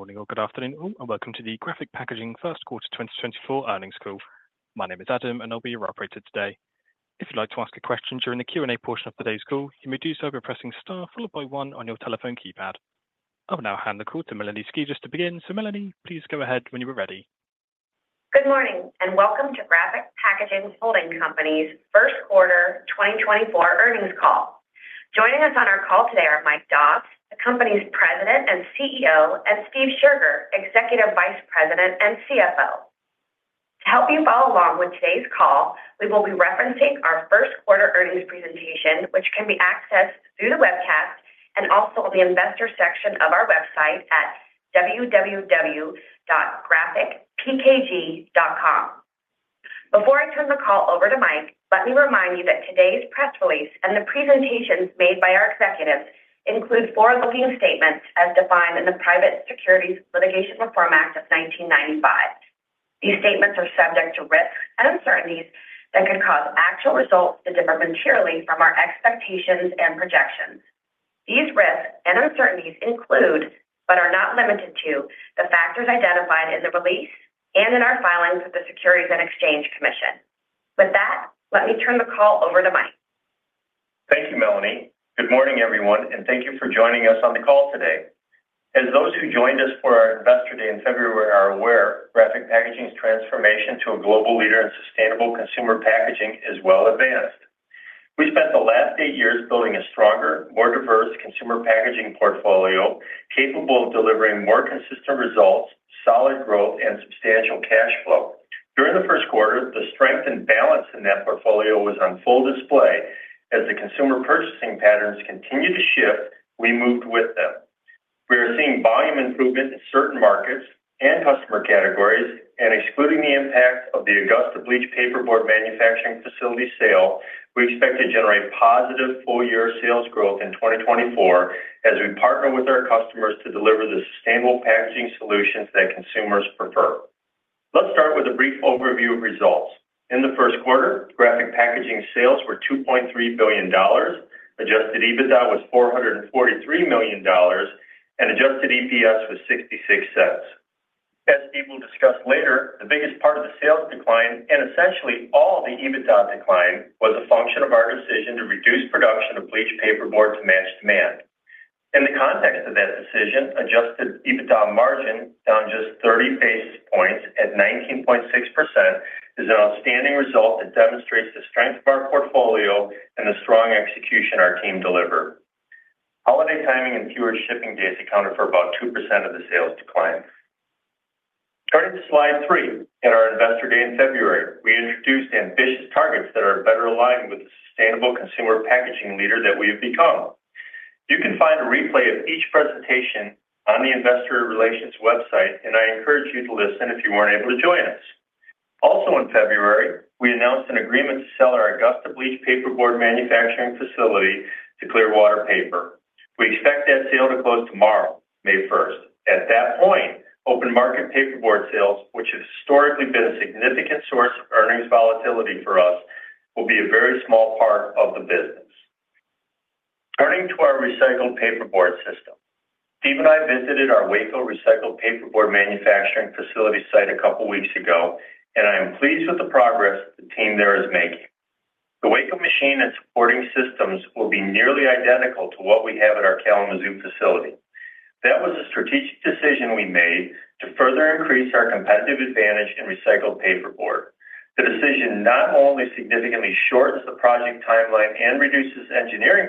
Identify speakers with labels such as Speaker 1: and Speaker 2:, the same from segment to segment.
Speaker 1: Good morning or good afternoon, all, and welcome to the Graphic Packaging first quarter 2024 earnings call. My name is Adam, and I'll be your operator today. If you'd like to ask a question during the Q&A portion of today's call, you may do so by pressing star followed by one on your telephone keypad. I will now hand the call to Melanie Skijus to begin. So Melanie, please go ahead when you are ready.
Speaker 2: Good morning, and welcome to Graphic Packaging Holding Company's first quarter 2024 earnings call. Joining us on our call today are Mike Doss, the company's President and CEO, and Steph Scherger, Executive Vice President and CFO. To help you follow along with today's call, we will be referencing our first quarter earnings presentation, which can be accessed through the webcast and also the investor section of our website at www.graphicpkg.com. Before I turn the call over to Mike, let me remind you that today's press release and the presentations made by our executives include forward-looking statements as defined in the Private Securities Litigation Reform Act of 1995. These statements are subject to risks and uncertainties that could cause actual results to differ materially from our expectations and projections. These risks and uncertainties include, but are not limited to, the factors identified in the release and in our filings with the Securities and Exchange Commission. With that, let me turn the call over to Mike.
Speaker 3: Thank you, Melanie. Good morning, everyone, and thank you for joining us on the call today. As those who joined us for our Investor Day in February are aware, Graphic Packaging's transformation to a global leader in sustainable consumer packaging is well advanced. We spent the last eight years building a stronger, more diverse consumer packaging portfolio, capable of delivering more consistent results, solid growth, and substantial cash flow. During the first quarter, the strength and balance in that portfolio was on full display. As the consumer purchasing patterns continued to shift, we moved with them. We are seeing volume improvement in certain markets and customer categories, and excluding the impact of the Augusta bleached paperboard manufacturing facility sale, we expect to generate positive full-year sales growth in 2024 as we partner with our customers to deliver the sustainable packaging solutions that consumers prefer. Let's start with a brief overview of results. In the first quarter, Graphic Packaging sales were $2.3 billion, adjusted EBITDA was $443 million, and adjusted EPS was $0.66. As Steph will discuss later, the biggest part of the sales decline, and essentially all the EBITDA decline, was a function of our decision to reduce production of bleached paperboard to match demand. In the context of that decision, adjusted EBITDA margin, down just 30 basis points at 19.6%, is an outstanding result that demonstrates the strength of our portfolio and the strong execution our team delivered. Holiday timing and fewer shipping days accounted for about 2% of the sales decline. Turning to slide three. At our Investor Day in February, we introduced ambitious targets that are better aligned with the sustainable consumer packaging leader that we have become. You can find a replay of each presentation on the Investor Relations website, and I encourage you to listen if you weren't able to join us. Also in February, we announced an agreement to sell our Augusta bleached paperboard manufacturing facility to Clearwater Paper. We expect that sale to close tomorrow, May first. At that point, open market paperboard sales, which has historically been a significant source of earnings volatility for us, will be a very small part of the business. Turning to our recycled paperboard system. Steph and I visited our Waco recycled paperboard manufacturing facility site a couple weeks ago, and I am pleased with the progress the team there is making. The Waco machine and supporting systems will be nearly identical to what we have at our Kalamazoo facility. That was a strategic decision we made to further increase our competitive advantage in recycled paperboard. The decision not only significantly shortens the project timeline and reduces engineering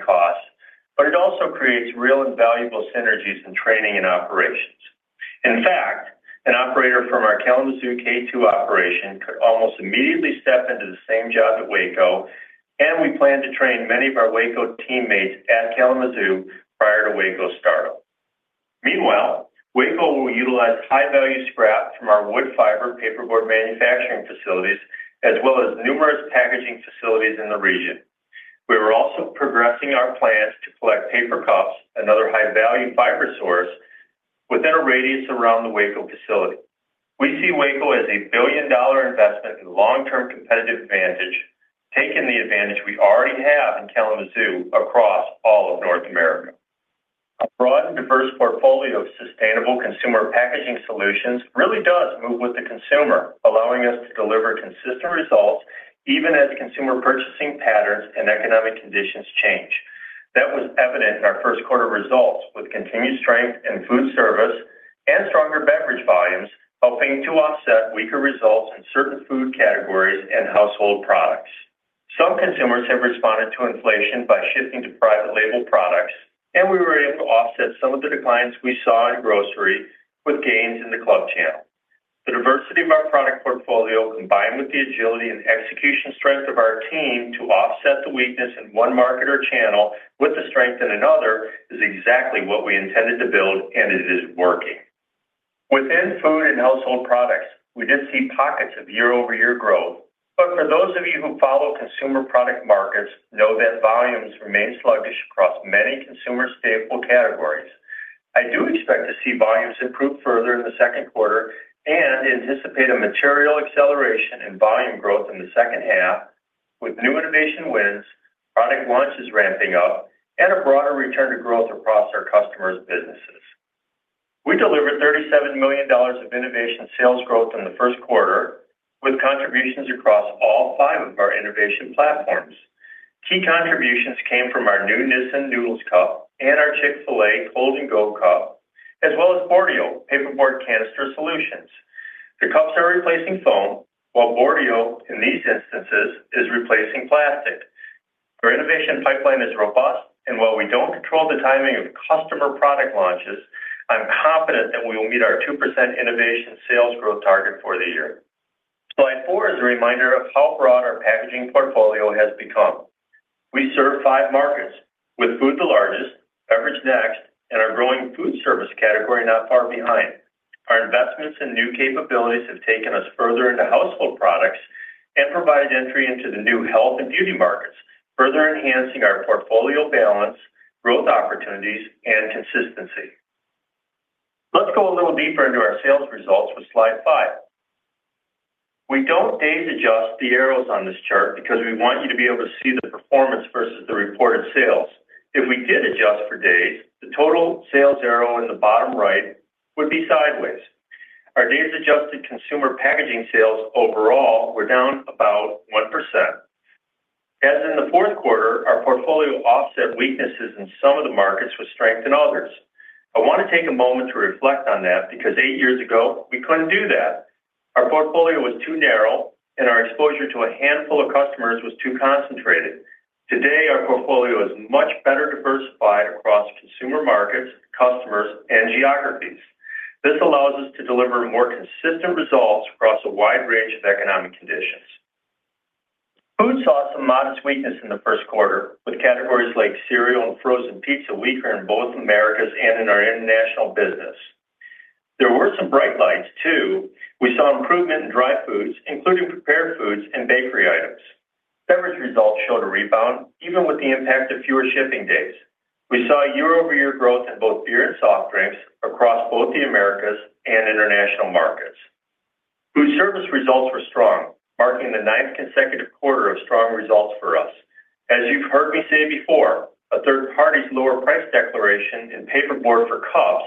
Speaker 3: costs, but it also creates real and valuable synergies in training and operations. In fact, an operator from our Kalamazoo K-2 operation could almost immediately step into the same job at Waco, and we plan to train many of our Waco teammates at Kalamazoo prior to Waco's startup. Meanwhile, Waco will utilize high-value scrap from our wood fiber paperboard manufacturing facilities, as well as numerous packaging facilities in the region. We are also progressing our plans to collect paper cups, another high-value fiber source, within a radius around the Waco facility. We see Waco as a billion-dollar investment in long-term competitive advantage, taking the advantage we already have in Kalamazoo across all of North America. A broad and diverse portfolio of sustainable consumer packaging solutions really does move with the consumer, allowing us to deliver consistent results even as consumer purchasing patterns and economic conditions change. That was evident in our first quarter results, with continued strength in food service and stronger beverage volumes, helping to offset weaker results in certain food categories and household products. Some consumers have responded to inflation by shifting to private label products, and we were able to offset some of the declines we saw in grocery with gains in the club channel. The diversity of our product portfolio, combined with the agility and execution strength of our team to offset the weakness in one market or channel with the strength in another, is exactly what we intended to build, and it is working. Within food and household products, we did see pockets of year-over-year growth, but for those of you who follow consumer product markets know that volumes remain sluggish across many consumer staple categories. I do expect to see volumes improve further in the second quarter and anticipate a material acceleration in volume growth in the second half with new innovation wins. Product launch is ramping up and a broader return to growth across our customers' businesses. We delivered $37 million of innovation sales growth in the first quarter, with contributions across all five of our innovation platforms. Key contributions came from our new Nissin noodle cup and our Chick-fil-A Hold and Go cup, as well as Boardio paperboard canister solutions. The cups are replacing foam, while Boardio, in these instances, is replacing plastic. Our innovation pipeline is robust, and while we don't control the timing of customer product launches, I'm confident that we will meet our 2% innovation sales growth target for the year. Slide four is a reminder of how broad our packaging portfolio has become. We serve 5 markets, with food the largest, beverage next, and our growing food service category not far behind. Our investments and new capabilities have taken us further into household products and provide entry into the new health and beauty markets, further enhancing our portfolio balance, growth opportunities, and consistency. Let's go a little deeper into our sales results with slide five. We don't days-adjust the arrows on this chart because we want you to be able to see the performance versus the reported sales. If we did adjust for days, the total sales arrow in the bottom right would be sideways. Our days-adjusted consumer packaging sales overall were down about 1%. As in the fourth quarter, our portfolio offset weaknesses in some of the markets with strength in others. I want to take a moment to reflect on that, because eight years ago, we couldn't do that. Our portfolio was too narrow, and our exposure to a handful of customers was too concentrated. Today, our portfolio is much better diversified across consumer markets, customers, and geographies. This allows us to deliver more consistent results across a wide range of economic conditions. Food saw some modest weakness in the first quarter, with categories like cereal and frozen pizza weaker in both Americas and in our international business. There were some bright lights, too. We saw improvement in dry foods, including prepared foods and bakery items. Beverage results showed a rebound, even with the impact of fewer shipping days. We saw year-over-year growth in both beer and soft drinks across both the Americas and international markets. Food service results were strong, marking the ninth consecutive quarter of strong results for us. As you've heard me say before, a third party's lower price declaration in paperboard for cups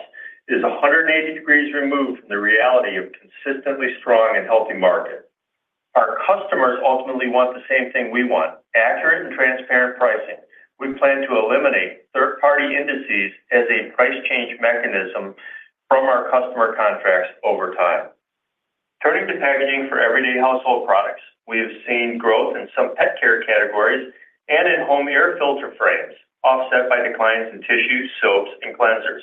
Speaker 3: is 180 degrees removed from the reality of consistently strong and healthy market. Our customers ultimately want the same thing we want: accurate and transparent pricing. We plan to eliminate third-party indices as a price change mechanism from our customer contracts over time. Turning to packaging for everyday household products, we have seen growth in some pet care categories and in home air filter frames, offset by declines in tissues, soaps, and cleansers.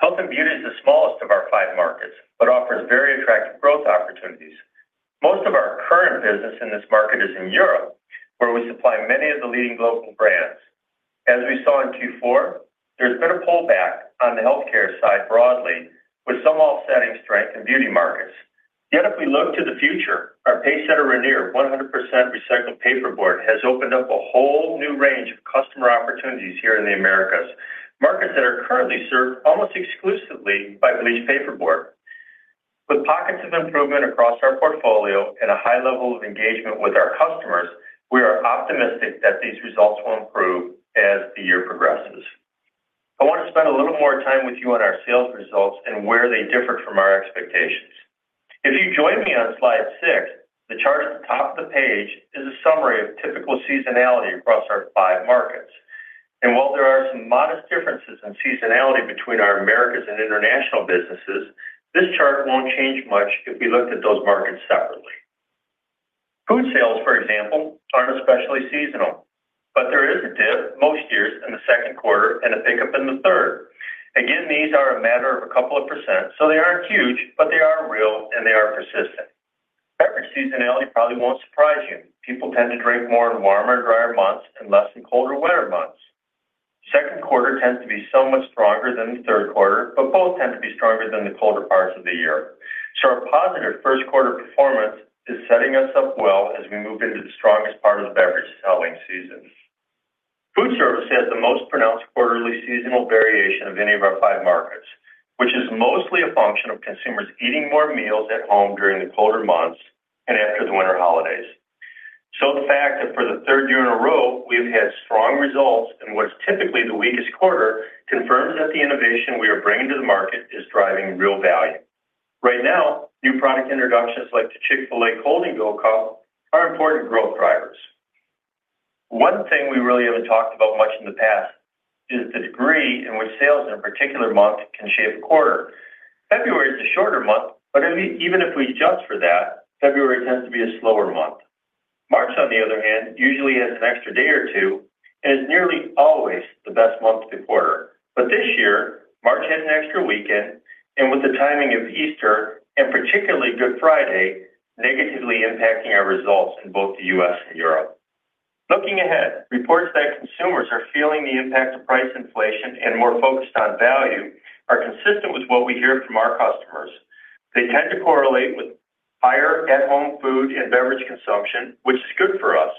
Speaker 3: Health and beauty is the smallest of our five markets, but offers very attractive growth opportunities. Most of our current business in this market is in Europe, where we supply many of the leading global brands. As we saw in Q4, there's been a pullback on the healthcare side broadly, with some offsetting strength in beauty markets. Yet if we look to the future, our PaceSetter Rainier, 100% recycled paperboard, has opened up a whole new range of customer opportunities here in the Americas, markets that are currently served almost exclusively by bleached paperboard. With pockets of improvement across our portfolio and a high level of engagement with our customers, we are optimistic that these results will improve as the year progresses. I want to spend a little more time with you on our sales results and where they differ from our expectations. If you join me on slide six, the chart at the top of the page is a summary of typical seasonality across our 5 markets. While there are some modest differences in seasonality between our Americas and international businesses, this chart won't change much if we looked at those markets separately. Food sales, for example, aren't especially seasonal, but there is a dip most years in the second quarter and a pickup in the third. Again, these are a matter of a couple of %, so they aren't huge, but they are real, and they are persistent. Beverage seasonality probably won't surprise you. People tend to drink more in warmer, drier months and less in colder, wetter months. Second quarter tends to be so much stronger than the third quarter, but both tend to be stronger than the colder parts of the year. So our positive first quarter performance is setting us up well as we move into the strongest part of the beverage selling season. Food service has the most pronounced quarterly seasonal variation of any of our five markets, which is mostly a function of consumers eating more meals at home during the colder months and after the winter holidays. So the fact that for the third year in a row, we've had strong results in what's typically the weakest quarter, confirms that the innovation we are bringing to the market is driving real value. Right now, new product introductions like the Chick-fil-A Hold and Go cup are important growth drivers. One thing we really haven't talked about much in the past is the degree in which sales in a particular month can shape a quarter. February is a shorter month, but even if we adjust for that, February tends to be a slower month. March, on the other hand, usually has an extra day or two and is nearly always the best month to quarter. But this year, March had an extra weekend, and with the timing of Easter, and particularly Good Friday, negatively impacting our results in both the U.S. and Europe. Looking ahead, reports that consumers are feeling the impact of price inflation and more focused on value are consistent with what we hear from our customers. They tend to correlate with higher at-home food and beverage consumption, which is good for us.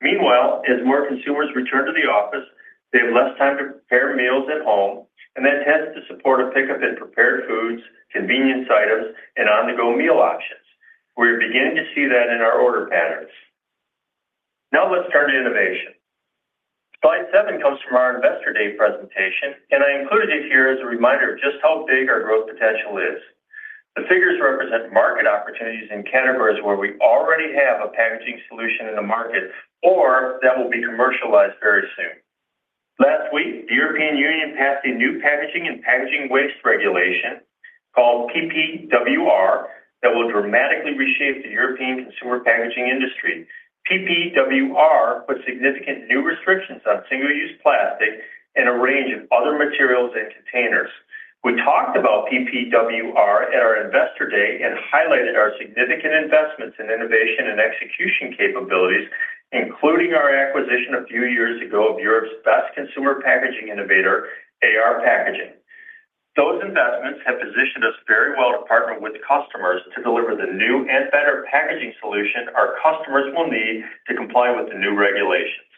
Speaker 3: Meanwhile, as more consumers return to the office, they have less time to prepare meals at home, and that tends to support a pickup in prepared foods, convenience items, and on-the-go meal options.... We're beginning to see that in our order patterns. Now let's turn to innovation. Slide seven comes from our Investor Day presentation, and I included it here as a reminder of just how big our growth potential is. The figures represent market opportunities in categories where we already have a packaging solution in the market or that will be commercialized very soon. Last week, the European Union passed a new packaging and packaging waste regulation called PPWR, that will dramatically reshape the European consumer packaging industry. PPWR put significant new restrictions on single-use plastic and a range of other materials and containers. We talked about PPWR at our Investor Day and highlighted our significant investments in innovation and execution capabilities, including our acquisition a few years ago of Europe's best consumer packaging innovator, AR Packaging. Those investments have positioned us very well to partner with customers to deliver the new and better packaging solution our customers will need to comply with the new regulations.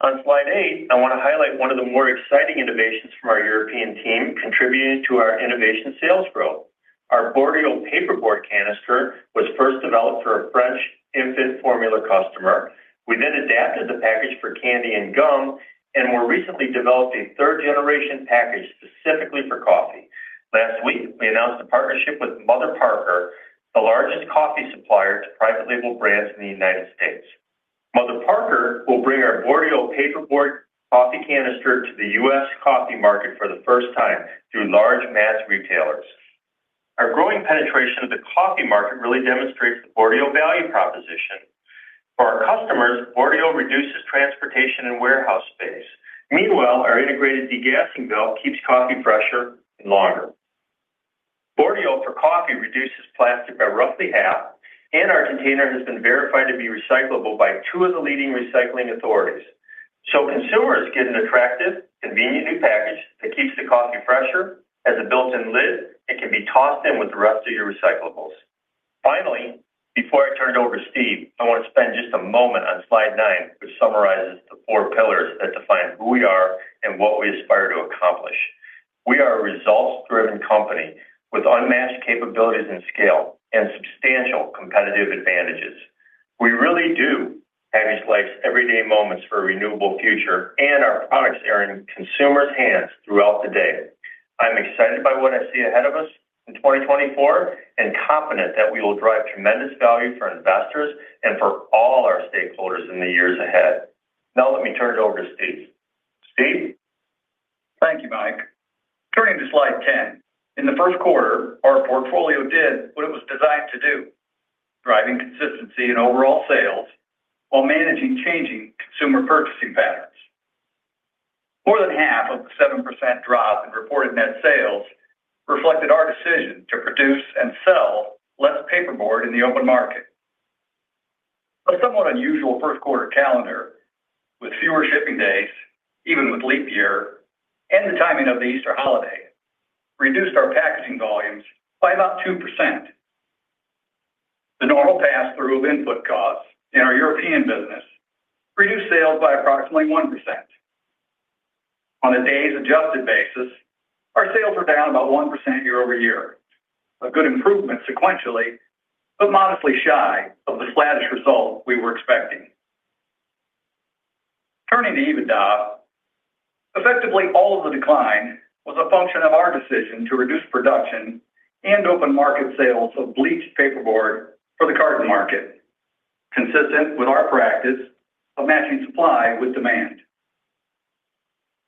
Speaker 3: On slide eight, I want to highlight one of the more exciting innovations from our European team, contributing to our innovation sales growth. Our Boardio paperboard canister was first developed for a French infant formula customer. We then adapted the package for candy and gum, and more recently developed a third-generation package specifically for coffee. Last week, we announced a partnership with Mother Parkers, the largest coffee supplier to private label brands in the United States. Mother Parkers will bring our Boardio paperboard coffee canister to the U.S. coffee market for the first time through large mass retailers. Our growing penetration of the coffee market really demonstrates the Boardio value proposition. For our customers, Boardio reduces transportation and warehouse space. Meanwhile, our integrated degassing valve keeps coffee fresher and longer. Boardio for coffee reduces plastic by roughly half, and our container has been verified to be recyclable by two of the leading recycling authorities. So consumers get an attractive, convenient new package that keeps the coffee fresher, has a built-in lid, and can be tossed in with the rest of your recyclables. Finally, before I turn it over to Steph, I want to spend just a moment on slide nine, which summarizes the four pillars that define who we are and what we aspire to accomplish. We are a results-driven company with unmatched capabilities and scale, and substantial competitive advantages. We really do package life's everyday moments for a renewable future, and our products are in consumers' hands throughout the day. I'm excited by what I see ahead of us in 2024 and confident that we will drive tremendous value for investors and for all our stakeholders in the years ahead. Now, let me turn it over to Steph. Steph?
Speaker 4: Thank you, Mike. Turning to slide 10. In the first quarter, our portfolio did what it was designed to do, driving consistency in overall sales while managing changing consumer purchasing patterns. More than half of the 7% drop in reported net sales reflected our decision to produce and sell less paperboard in the open market. A somewhat unusual first quarter calendar with fewer shipping days, even with leap year and the timing of the Easter holiday, reduced our packaging volumes by about 2%. The normal pass-through of input costs in our European business reduced sales by approximately 1%. On a days adjusted basis, our sales were down about 1% year-over-year. A good improvement sequentially, but modestly shy of the flattish result we were expecting. Turning to EBITDA, effectively, all of the decline was a function of our decision to reduce production and open market sales of bleached paperboard for the carton market, consistent with our practice of matching supply with demand.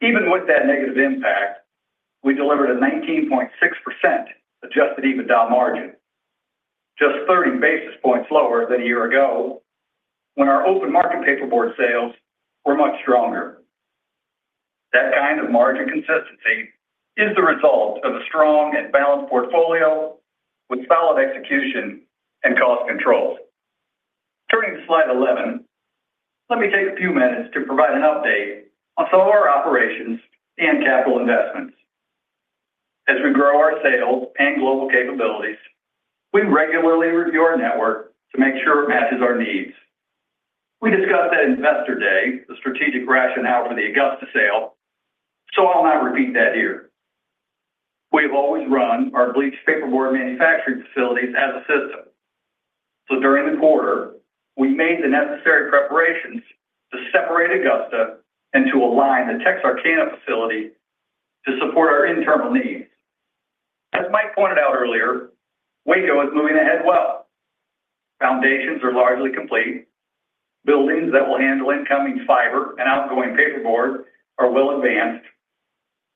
Speaker 4: Even with that negative impact, we delivered a 19.6% adjusted EBITDA margin, just 30 basis points lower than a year ago, when our open market paperboard sales were much stronger. That kind of margin consistency is the result of a strong and balanced portfolio with solid execution and cost controls. Turning to slide 11, let me take a few minutes to provide an update on some of our operations and capital investments. As we grow our sales and global capabilities, we regularly review our network to make sure it matches our needs. We discussed at Investor Day, the strategic rationale for the Augusta sale, so I'll not repeat that here. We've always run our bleached paperboard manufacturing facilities as a system. So during the quarter, we made the necessary preparations to separate Augusta and to align the Texarkana facility to support our internal needs. As Mike pointed out earlier, Waco is moving ahead well. Foundations are largely complete. Buildings that will handle incoming fiber and outgoing paperboard are well advanced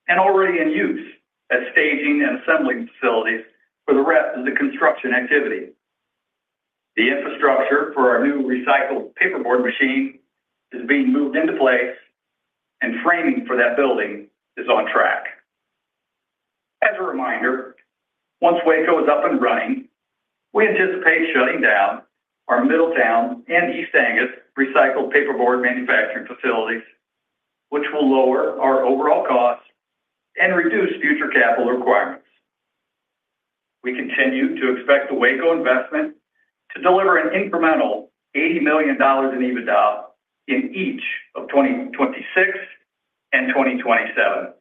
Speaker 4: and already in use as staging and assembling facilities for the rest of the construction activity. The infrastructure for our new recycled paperboard machine is being moved into place, and framing for that building is on track. As a reminder, once Waco is up and running, we anticipate shutting down our Middletown and East Angus recycled paperboard manufacturing facilities, which will lower our overall costs and reduce future capital requirements. We continue to expect the Waco investment to deliver an incremental $80 million in EBITDA in each of 2026 and 2027.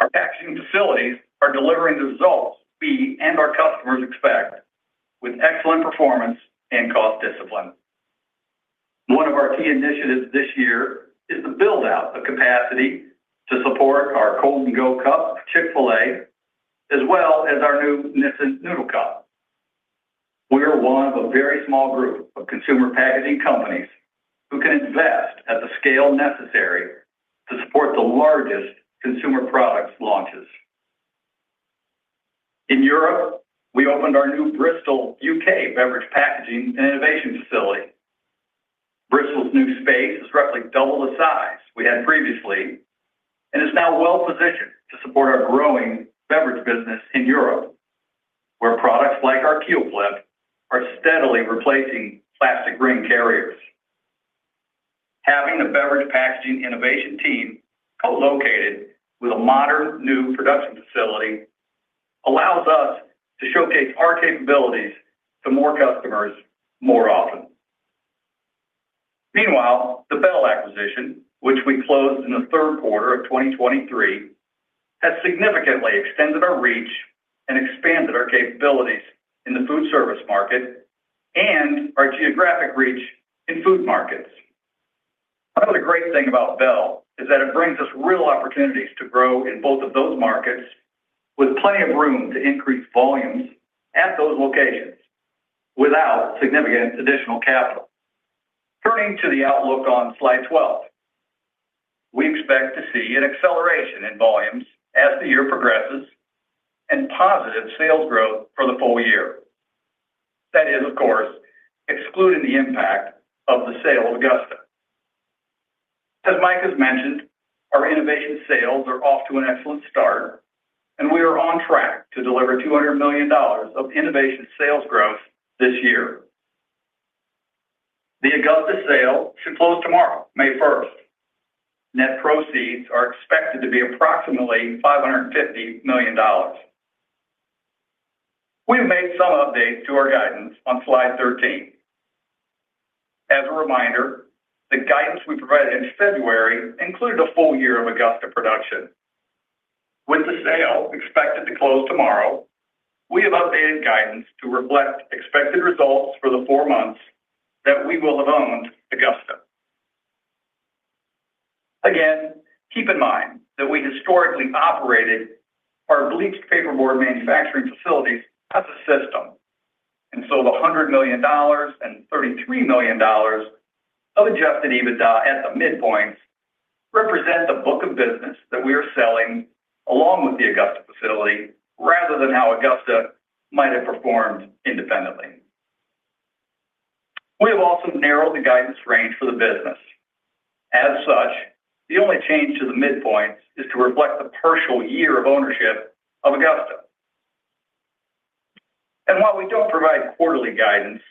Speaker 4: Our packaging facilities are delivering the results we and our customers expect, with excellent performance and cost discipline. One of our key initiatives this year is the build-out of capacity to support our Hold and Go cup, Chick-fil-A, as well as our new Nissin noodle cup. We are one of a very small group of consumer packaging companies who can invest at the scale necessary to support the largest consumer products launches. In Europe, we opened our new Bristol, U.K., beverage packaging and innovation facility. Bristol's new space is roughly double the size we had previously and is now well-positioned to support our growing beverage business in Europe, where products like our KeelClip are steadily replacing plastic ring carriers. Having the beverage packaging innovation team co-located with a modern new production facility allows us to showcase our capabilities to more customers, more often. Meanwhile, the Bell acquisition, which we closed in the third quarter of 2023, has significantly extended our reach and expanded our capabilities in the food service market and our geographic reach in food markets. Another great thing about Bell is that it brings us real opportunities to grow in both of those markets with plenty of room to increase volumes at those locations without significant additional capital. Turning to the outlook on slide 12. We expect to see an acceleration in volumes as the year progresses and positive sales growth for the full year. That is, of course, excluding the impact of the sale of Augusta. As Mike has mentioned, our innovation sales are off to an excellent start, and we are on track to deliver $200 million of innovation sales growth this year. The Augusta sale should close tomorrow, May first. Net proceeds are expected to be approximately $550 million. We have made some updates to our guidance on slide 13. As a reminder, the guidance we provided in February included a full year of Augusta production. With the sale expected to close tomorrow, we have updated guidance to reflect expected results for the 4 months that we will have owned Augusta. Again, keep in mind that we historically operated our bleached paperboard manufacturing facilities as a system, and so the $100 million and $33 million of adjusted EBITDA at the midpoints represent the book of business that we are selling along with the Augusta facility, rather than how Augusta might have performed independently. We have also narrowed the guidance range for the business. As such, the only change to the midpoint is to reflect the partial year of ownership of Augusta. And while we don't provide quarterly guidance,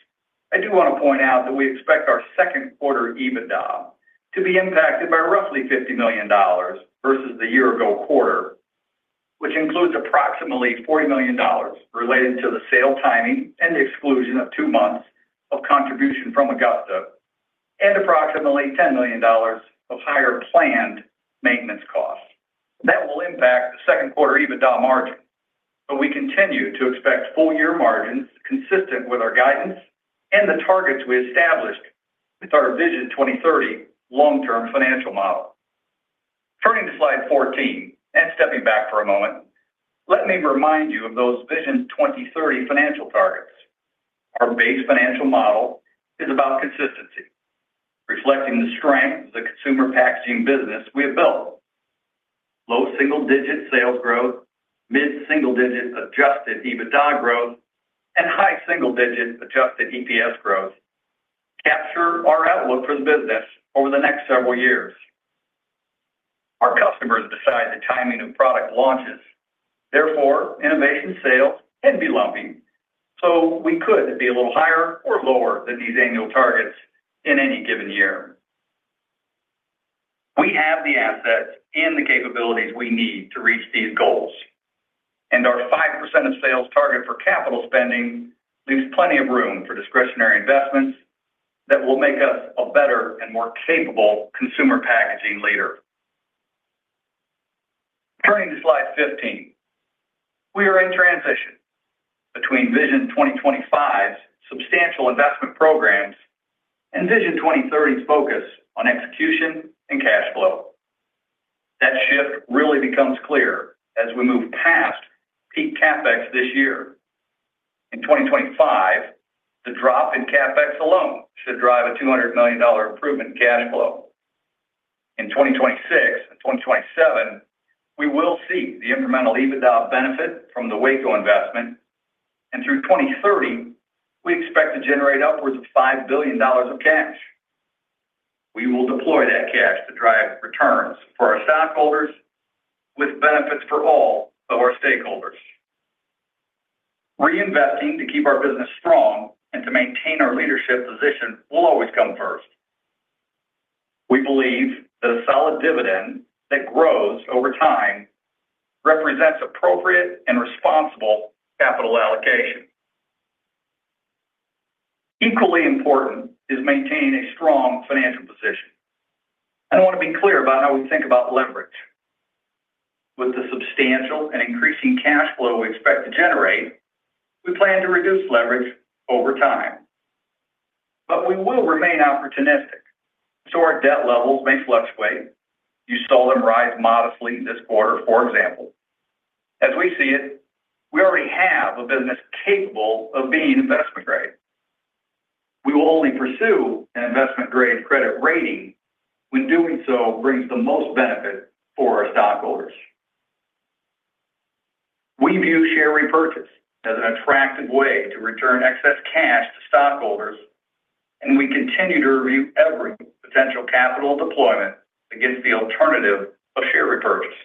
Speaker 4: I do want to point out that we expect our second quarter EBITDA to be impacted by roughly $50 million versus the year ago quarter, which includes approximately $40 million related to the sale timing and the exclusion of two months of contribution from Augusta, and approximately $10 million of higher planned maintenance costs. That will impact the second quarter EBITDA margin, but we continue to expect full-year margins consistent with our guidance and the targets we established with our Vision 2030 long-term financial model. Turning to slide 14 and stepping back for a moment, let me remind you of those Vision 2030 financial targets. Our base financial model is about consistency, reflecting the strength of the consumer packaging business we have built. Low single-digit sales growth, mid-single-digit adjusted EBITDA growth, and high single-digit adjusted EPS growth capture our outlook for the business over the next several years. Our customers decide the timing of product launches, therefore, innovation sales can be lumpy, so we could be a little higher or lower than these annual targets in any given year. We have the assets and the capabilities we need to reach these goals, and our 5% of sales target for capital spending leaves plenty of room for discretionary investments that will make us a better and more capable consumer packaging leader. Turning to slide 15. We are in transition between Vision 2025's substantial investment programs and Vision 2030's focus on execution and cash flow. That shift really becomes clear as we move past peak CapEx this year. In 2025, the drop in CapEx alone should drive a $200 million improvement in cash flow. In 2026 and 2027, we will see the incremental EBITDA benefit from the Waco investment, and through 2030, we expect to generate upwards of $5 billion of cash. We will deploy that cash to drive returns for our stockholders with benefits for all of our stakeholders. Reinvesting to keep our business strong and to maintain our leadership position will always come first. We believe that a solid dividend that grows over time represents appropriate and responsible capital allocation. ...Equally important is maintaining a strong financial position. I want to be clear about how we think about leverage. With the substantial and increasing cash flow we expect to generate, we plan to reduce leverage over time. But we will remain opportunistic, so our debt levels may fluctuate. You saw them rise modestly this quarter, for example. As we see it, we already have a business capable of being investment-grade. We will only pursue an investment-grade credit rating when doing so brings the most benefit for our stockholders. We view share repurchase as an attractive way to return excess cash to stockholders, and we continue to review every potential capital deployment against the alternative of share repurchase.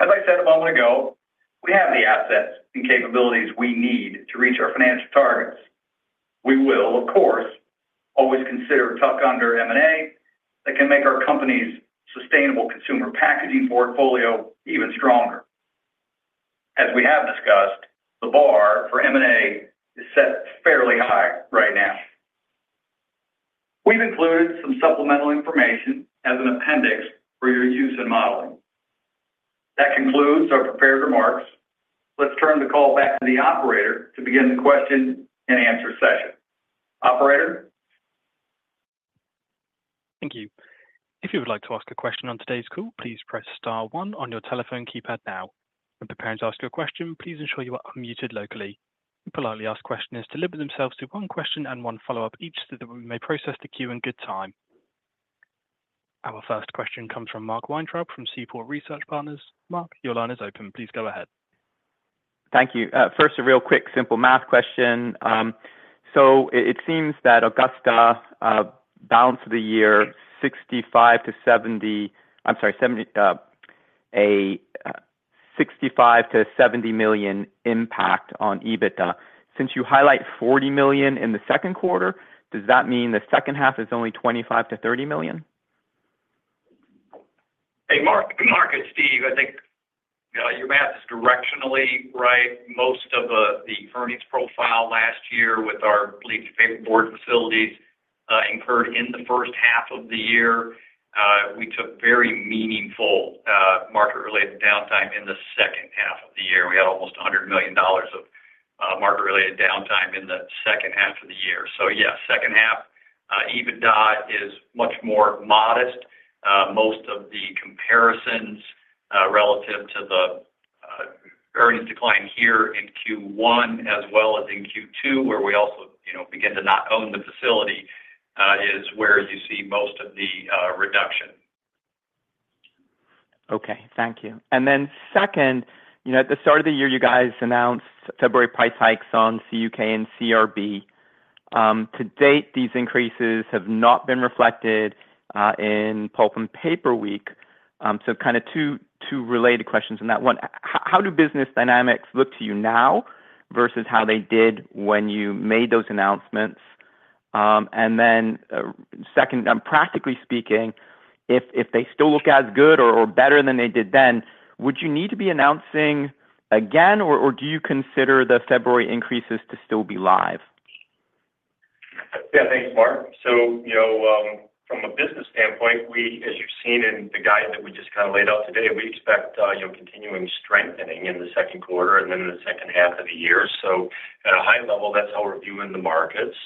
Speaker 4: As I said a moment ago, we have the assets and capabilities we need to reach our financial targets. We will, of course, always consider tuck under M&A that can make our company's sustainable consumer packaging portfolio even stronger. As we have discussed, the bar for M&A is set fairly high right now. We've included some supplemental information as an appendix for your use in modeling. That concludes our prepared remarks. Let's turn the call back to the operator to begin the question-and-answer session. Operator?
Speaker 1: Thank you. If you would like to ask a question on today's call, please press star one on your telephone keypad now. When preparing to ask your question, please ensure you are unmuted locally. We politely ask questioners to limit themselves to one question and one follow-up each, so that we may process the queue in good time. Our first question comes from Mark Weintraub, from Seaport Research Partners. Mark, your line is open. Please go ahead.
Speaker 5: Thank you. First, a real quick, simple math question. It seems that Augusta balanced the year $65 million-$70 million impact on EBITDA. Since you highlight $40 million in the second quarter, does that mean the second half is only $25 million-$30 million?
Speaker 4: Hey, Mark. Good morning, it's Steph. I think your math is directionally right. Most of the earnings profile last year with our bleached paperboard facilities incurred in the first half of the year. We took very meaningful market-related downtime in the second half of the year. We had almost $100 million of market-related downtime in the second half of the year. So yeah, second half EBITDA is much more modest. Most of the comparisons relative to the earnings decline here in Q1 as well as in Q2, where we also, you know, begin to not own the facility, is where you see most of the reduction.
Speaker 5: Okay, thank you. And then second, you know, at the start of the year, you guys announced February price hikes on CUK and CRB. To date, these increases have not been reflected in Pulp and Paper Week. So kind of two related questions in that one. How do business dynamics look to you now versus how they did when you made those announcements? And then, second, practically speaking, if they still look as good or better than they did then, would you need to be announcing again, or do you consider the February increases to still be live?
Speaker 3: Yeah, thanks, Mark. So, you know, from a business standpoint, we, as you've seen in the guide that we just kind of laid out today, we expect, you know, continuing strengthening in the second quarter and then in the second half of the year. So at a high level, that's how we're viewing the markets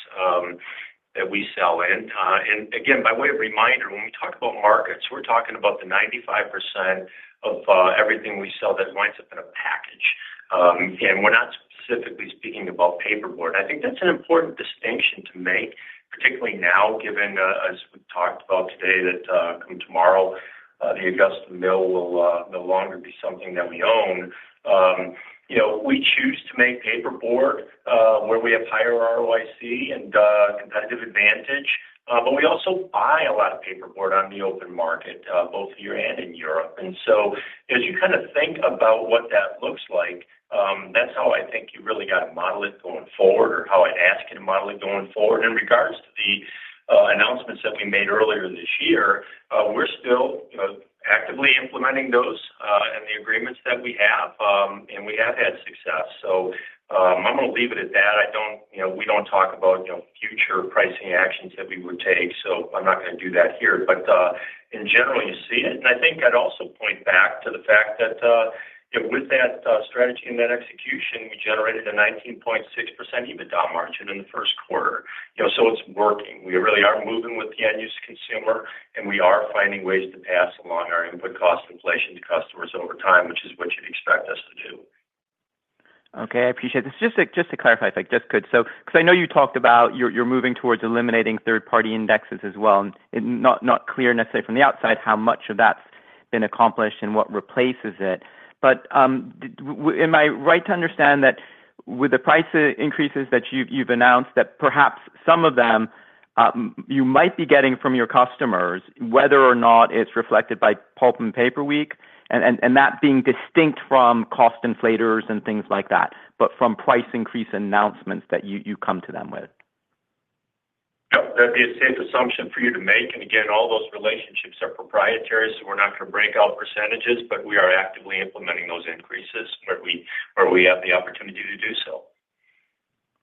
Speaker 3: that we sell in. And again, by way of reminder, when we talk about markets, we're talking about the 95% of everything we sell that winds up in a package. And we're not specifically speaking about paperboard. I think that's an important distinction to make, particularly now, given as we talked about today, that come tomorrow, the Augusta Mill will no longer be something that we own. You know, we choose to make paperboard where we have higher ROIC and competitive advantage, but we also buy a lot of paperboard on the open market, both here and in Europe. And so as you kind of think about what that looks like, that's how I think you really got to model it going forward or how I'd ask you to model it going forward. In regards to the announcements that we made earlier this year, we're still, you know, actively implementing those and the agreements that we have, and we have had success. So, I'm going to leave it at that. I don't... You know, we don't talk about, you know, future pricing actions that we would take, so I'm not going to do that here. But, in general, you see it. I think I'd also point back to the fact that, you know, with that strategy and that execution, we generated a 19.6% EBITDA margin in the first quarter. You know, so it's working. We really are moving with the end-use consumer, and we are finding ways to pass along our input cost inflation to customers over time, which is what you'd expect us to do.
Speaker 5: Okay, I appreciate this. Just to clarify, if I just could. So, because I know you talked about you're moving towards eliminating third-party indexes as well, and it's not clear necessarily from the outside how much of that's been accomplished and what replaces it. But am I right to understand that with the price increases that you've announced, that perhaps some of them you might be getting from your customers, whether or not it's reflected by Pulp and Paper Week, and that being distinct from cost inflators and things like that, but from price increase announcements that you come to them with? ...
Speaker 3: Yeah, that'd be a safe assumption for you to make. Again, all those relationships are proprietary, so we're not gonna break out percentages, but we are actively implementing those increases where we have the opportunity to do so.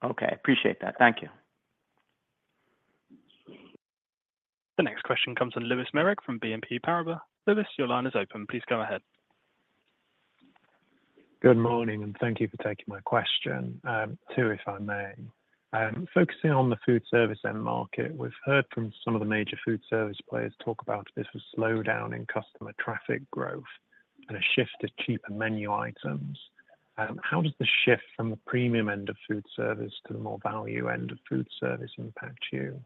Speaker 5: Okay, appreciate that. Thank you.
Speaker 1: The next question comes from Lewis Merrick from BNP Paribas. Lewis, your line is open. Please go ahead.
Speaker 6: Good morning, and thank you for taking my question. Two, if I may. Focusing on the food service end market, we've heard from some of the major food service players talk about this slowdown in customer traffic growth and a shift to cheaper menu items. How does the shift from the premium end of food service to the more value end of food service impact you?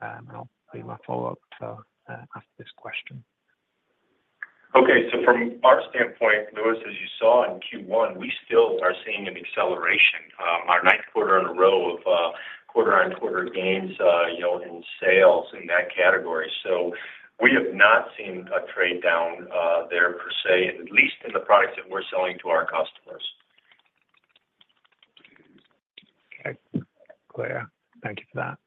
Speaker 6: And I'll do my follow-up to after this question.
Speaker 3: Okay, so from our standpoint, Lewis, as you saw in Q1, we still are seeing an acceleration, our ninth quarter in a row of quarter-on-quarter gains, you know, in sales in that category. So we have not seen a trade-down there per se, at least in the products that we're selling to our customers.
Speaker 7: Okay, clear. Thank you for that.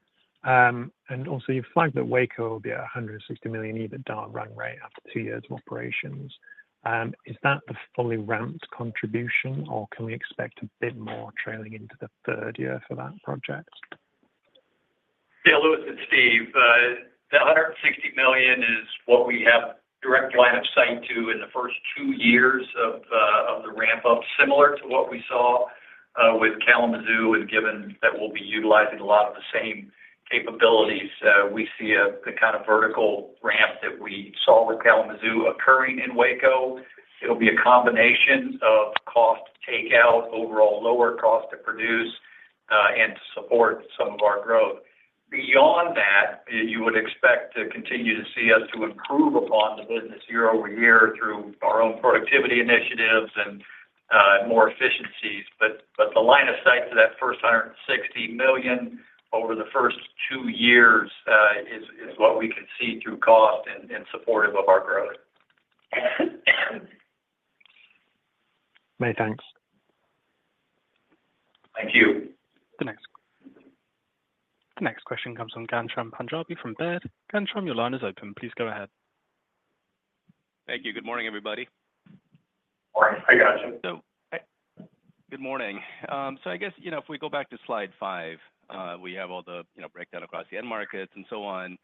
Speaker 7: And also, you've flagged that Waco will be a $160 million EBITDA run rate after two years of operations. Is that the fully ramped contribution, or can we expect a bit more trailing into the third year for that project?
Speaker 4: Yeah, Lewis, it's Steph. The $160 million is what we have direct line of sight to in the first two years of the ramp-up, similar to what we saw with Kalamazoo, and given that we'll be utilizing a lot of the same capabilities. We see the kind of vertical ramp that we saw with Kalamazoo occurring in Waco. It'll be a combination of cost takeout, overall lower cost to produce, and to support some of our growth. Beyond that, you would expect to continue to see us to improve upon the business year-over-year through our own productivity initiatives and more efficiencies. But the line of sight to that first $160 million over the first two years is what we can see through cost and supportive of our growth.
Speaker 7: Many thanks.
Speaker 3: Thank you.
Speaker 1: The next question comes from Ghansham Panjabi from Baird. Ghansham, your line is open. Please go ahead.
Speaker 8: Thank you. Good morning, everybody.
Speaker 3: Morning, hi, Ghansham.
Speaker 8: Good morning. So I guess, you know, if we go back to slide five, we have all the, you know, breakdown across the end markets and so on.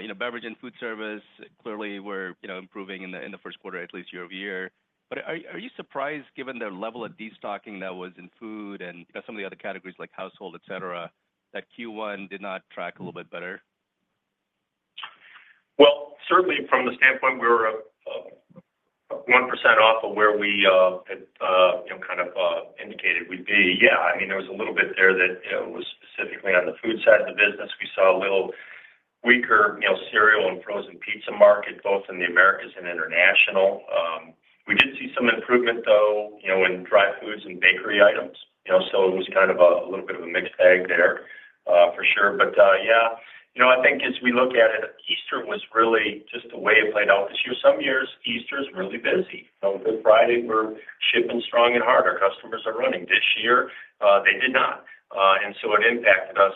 Speaker 8: You know, beverage and food service, clearly we're, you know, improving in the, in the first quarter, at least year-over-year. But are, are you surprised, given the level of destocking that was in food and some of the other categories, like household, et cetera, that Q1 did not track a little bit better?
Speaker 3: Well, certainly from the standpoint, we were 1% off of where we had, you know, kind of, indicated we'd be. Yeah, I mean, there was a little bit there that, you know, was specifically on the food side of the business. We saw a little weaker, you know, cereal and frozen pizza market, both in the Americas and international. We did see some improvement, though, you know, in dry foods and bakery items, you know, so it was kind of a little bit of a mixed bag there, for sure. But, yeah, you know, I think as we look at it, Easter was really just the way it played out this year. Some years, Easter is really busy. You know, Good Friday, we're shipping strong and hard. Our customers are running. This year, they did not. And so it impacted us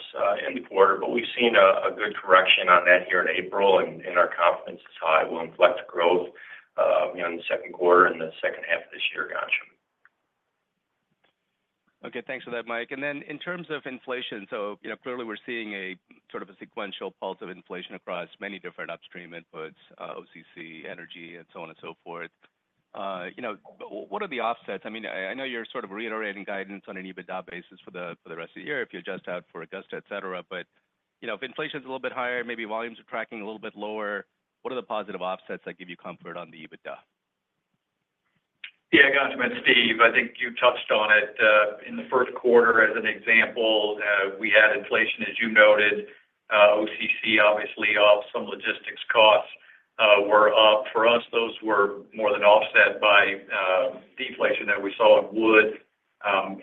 Speaker 3: in the quarter, but we've seen a good correction on that here in April, and our confidence is high. We'll inflect growth, you know, in the second quarter and the second half of this year, Gansham.
Speaker 8: Okay, thanks for that, Mike. And then in terms of inflation, so, you know, clearly we're seeing a sort of a sequential pulse of inflation across many different upstream inputs, OCC, energy, and so on and so forth. You know, what are the offsets? I mean, I know you're sort of reiterating guidance on an EBITDA basis for the rest of the year if you adjust out for Augusta, et cetera. But, you know, if inflation's a little bit higher, maybe volumes are tracking a little bit lower, what are the positive offsets that give you comfort on the EBITDA?
Speaker 4: Yeah, Gansham, it's Steph. I think you touched on it in the first quarter, as an example, we had inflation, as you noted, OCC, obviously, and some logistics costs were up. For us, those were more than offset by deflation that we saw in wood,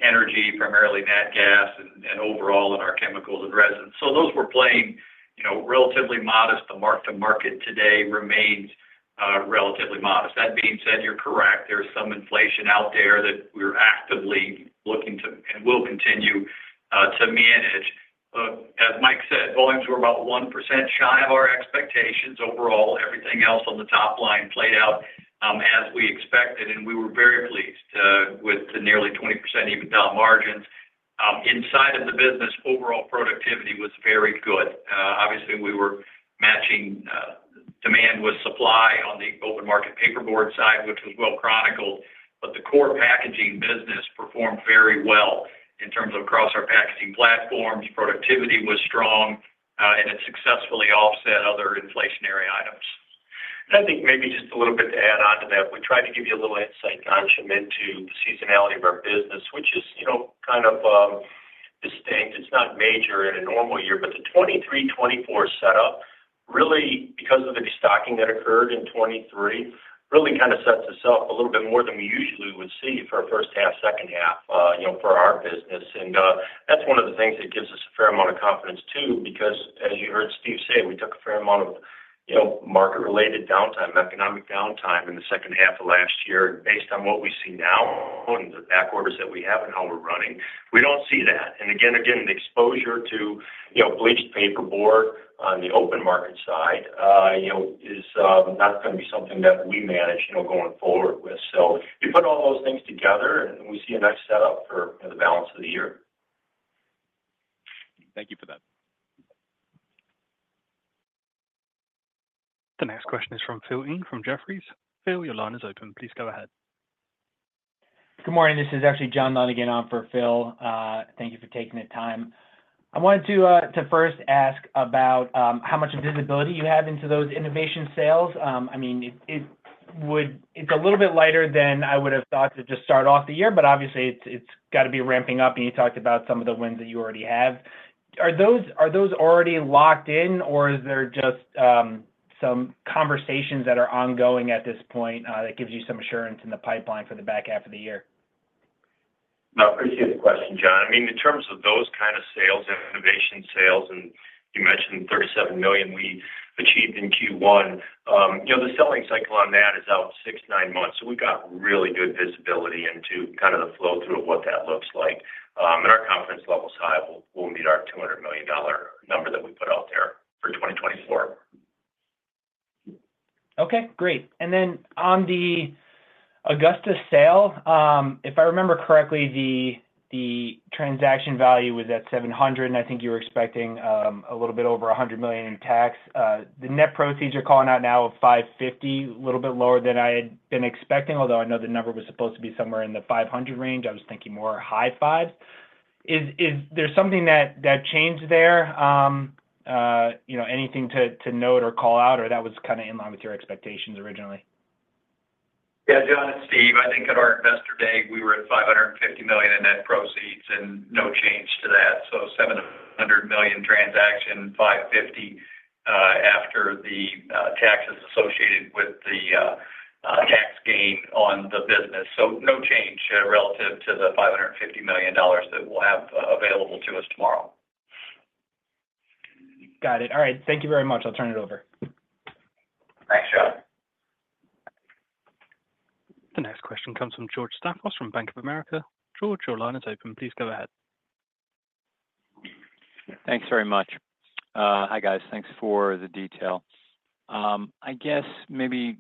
Speaker 4: energy, primarily nat gas and overall in our chemicals and resins. So those were playing, you know, relatively modest. The mark to market today remains relatively modest. That being said, you're correct. There is some inflation out there that we're actively looking to and will continue to manage. As Mike said, volumes were about 1% shy of our expectations. Overall, everything else on the top line played out as we expected, and we were very pleased with the nearly 20% EBITDA margins. Inside of the business, overall productivity was very good. Obviously, we were matching demand with supply on the open market paperboard side, which was well chronicled, but the core packaging business performed very well in terms of across our packaging platforms. Productivity was strong, and it successfully offset other inflationary items.
Speaker 3: And I think maybe just a little bit to add on to that, we tried to give you a little insight, Gansham, into the seasonality of our business, which is, you know, kind of, distinct. It's not major in a normal year, but the 2023, 2024 setup, really, because of the destocking that occurred in 2023, really kind of sets us up a little bit more than we usually would see for a first half, second half, you know, for our business. And, that's one of the things that gives us a fair amount of confidence, too, because as you heard Steph say, we took a fair amount of, you know, market-related downtime, economic downtime in the second half of last year. And based on what we see now and the back orders that we have and how we're running, we don't see that. And again, the exposure to, you know, bleached paperboard on the open market side, you know, is not gonna be something that we manage, you know, going forward with. So you put all those things together, and we see a nice setup for the balance of the year.
Speaker 8: Thank you for that.
Speaker 1: The next question is from Phil Ng from Jefferies. Phil, your line is open. Please go ahead.
Speaker 9: Good morning, this is actually John Dunigan on for Phil. Thank you for taking the time. I wanted to first ask about how much visibility you have into those innovation sales. I mean, it would—it's a little bit lighter than I would have thought to just start off the year, but obviously it's got to be ramping up, and you talked about some of the wins that you already have. Are those already locked in, or is there just some conversations that are ongoing at this point that gives you some assurance in the pipeline for the back half of the year?
Speaker 3: No, I appreciate the question, John. I mean, in terms of those kind of sales, innovation sales, and you mentioned $37 million we achieved in Q1. You know, the selling cycle on that is out 6-9 months, so we've got really good visibility into kind of the flow through of what that looks like. And our confidence level is high. We'll, we'll meet our $200 million number that we put out there for 2024.
Speaker 9: Okay, great. Then on the Augusta sale, if I remember correctly, the transaction value was at $700 million, and I think you were expecting a little bit over $100 million in tax. The net proceeds you're calling out now of $550 million, a little bit lower than I had been expecting, although I know the number was supposed to be somewhere in the $500 million range. I was thinking more high 500. Is there something that changed there? You know, anything to note or call out, or that was kind of in line with your expectations originally?
Speaker 4: Yeah, John, it's Steph. I think at our Investor Day, we were at $550 million in net proceeds, and no change to that. So $700 million transaction, $550, after the taxes associated with the tax gain on the business. So no change relative to the $550 million that we'll have available to us tomorrow.
Speaker 9: Got it. All right. Thank you very much. I'll turn it over.
Speaker 3: Thanks, John.
Speaker 1: The next question comes from George Staphos from Bank of America. George, your line is open. Please go ahead.
Speaker 10: Thanks very much. Hi, guys. Thanks for the detail. I guess maybe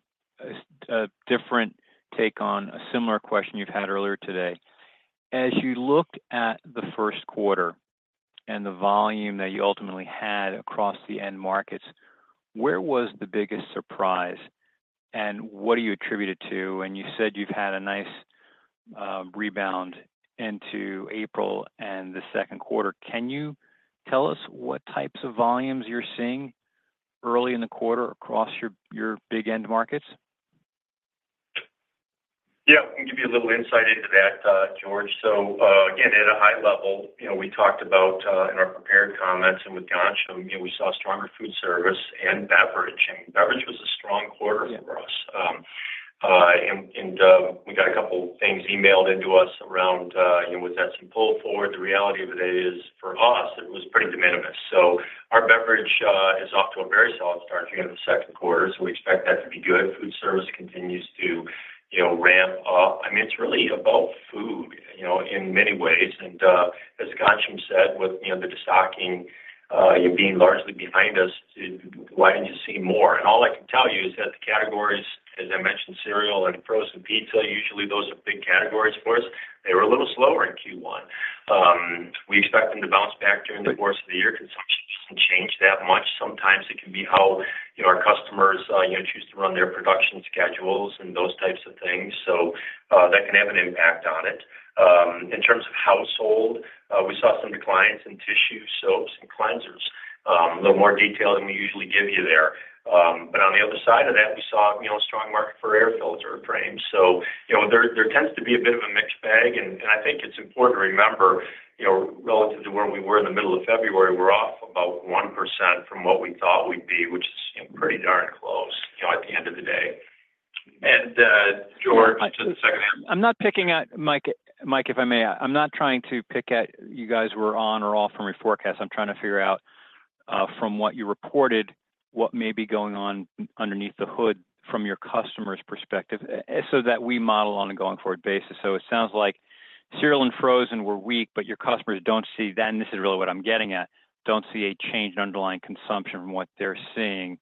Speaker 10: a different take on a similar question you've had earlier today. As you looked at the first quarter and the volume that you ultimately had across the end markets, where was the biggest surprise, and what do you attribute it to? And you said you've had a nice rebound into April and the second quarter. Can you tell us what types of volumes you're seeing early in the quarter across your big end markets?
Speaker 3: Yeah, I can give you a little insight into that, George. So, again, at a high level, you know, we talked about, in our prepared comments and with Gansham, you know, we saw stronger food service and beverage. And beverage was a strong quarter for us. And we got a couple things emailed into us around, you know, was that some pull forward? The reality of it is, for us, it was pretty de minimis. So our beverage is off to a very solid start here in the second quarter, so we expect that to be good. Food service continues to, you know, ramp up. I mean, it's really about food, you know, in many ways. And, as Gansham said, with, you know, the destocking, you know, being largely behind us, why didn't you see more? All I can tell you is that the categories, as I mentioned, cereal and frozen pizza, usually those are big categories for us. They were a little slower in Q1. We expect them to bounce back during the course of the year. Consumption doesn't change that much. Sometimes it can be how, you know, our customers, you know, choose to run their production schedules and those types of things. So, that can have an impact on it. In terms of household, we saw some declines in tissue, soaps, and cleansers. A little more detail than we usually give you there. But on the other side of that, we saw, you know, a strong market for air filter frames. So, you know, there tends to be a bit of a mixed bag, and I think it's important to remember, you know, relative to where we were in the middle of February, we're off about 1% from what we thought we'd be, which is, you know, pretty darn close, you know, at the end of the day. And, George-
Speaker 10: I'm not picking at-- Mike, Mike, if I may, I'm not trying to pick at you guys were on or off from your forecast. I'm trying to figure out, from what you reported, what may be going on underneath the hood from your customers' perspective as so that we model on a going-forward basis. So it sounds like cereal and frozen were weak, but your customers don't see that, and this is really what I'm getting at, don't see a change in underlying consumption from what they're seeing,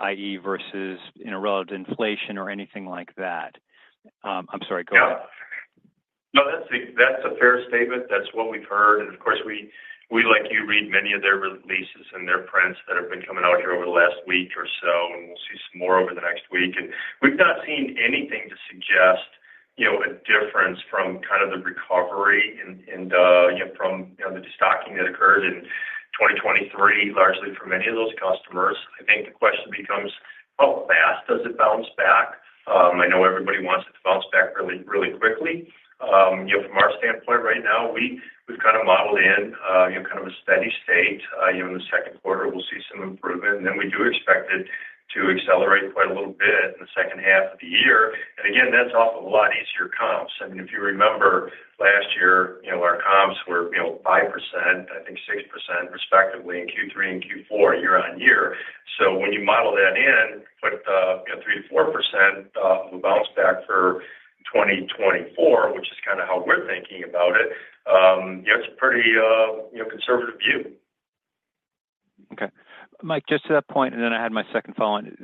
Speaker 10: i.e., versus, you know, relative inflation or anything like that. I'm sorry, go ahead.
Speaker 3: No, that's a fair statement. That's what we've heard, and of course, we like you, read many of their releases and their prints that have been coming out here over the last week or so, and we'll see some more over the next week. And we've not seen anything to suggest, you know, a difference from kind of the recovery and you know, from, you know, the destocking that occurred in 2023, largely for many of those customers. I think the question becomes: How fast does it bounce back? I know everybody wants it to bounce back really, really quickly. You know, from our standpoint right now, we've kind of modeled in, you know, kind of a steady state. You know, in the second quarter, we'll see some improvement, and then we do expect it to accelerate quite a little bit in the second half of the year. And again, that's off of a lot easier comps. I mean, if you remember last year, you know, our comps were, you know, 5%, I think 6%, respectively, in Q3 and Q4, year-on-year. So when you model that, you know, 3%-4% of a bounce back for 2024, which is kind of how we're thinking about it. Yeah, it's a pretty, you know, conservative view.
Speaker 10: Okay. Mike, just to that point, and then I had my second follow on.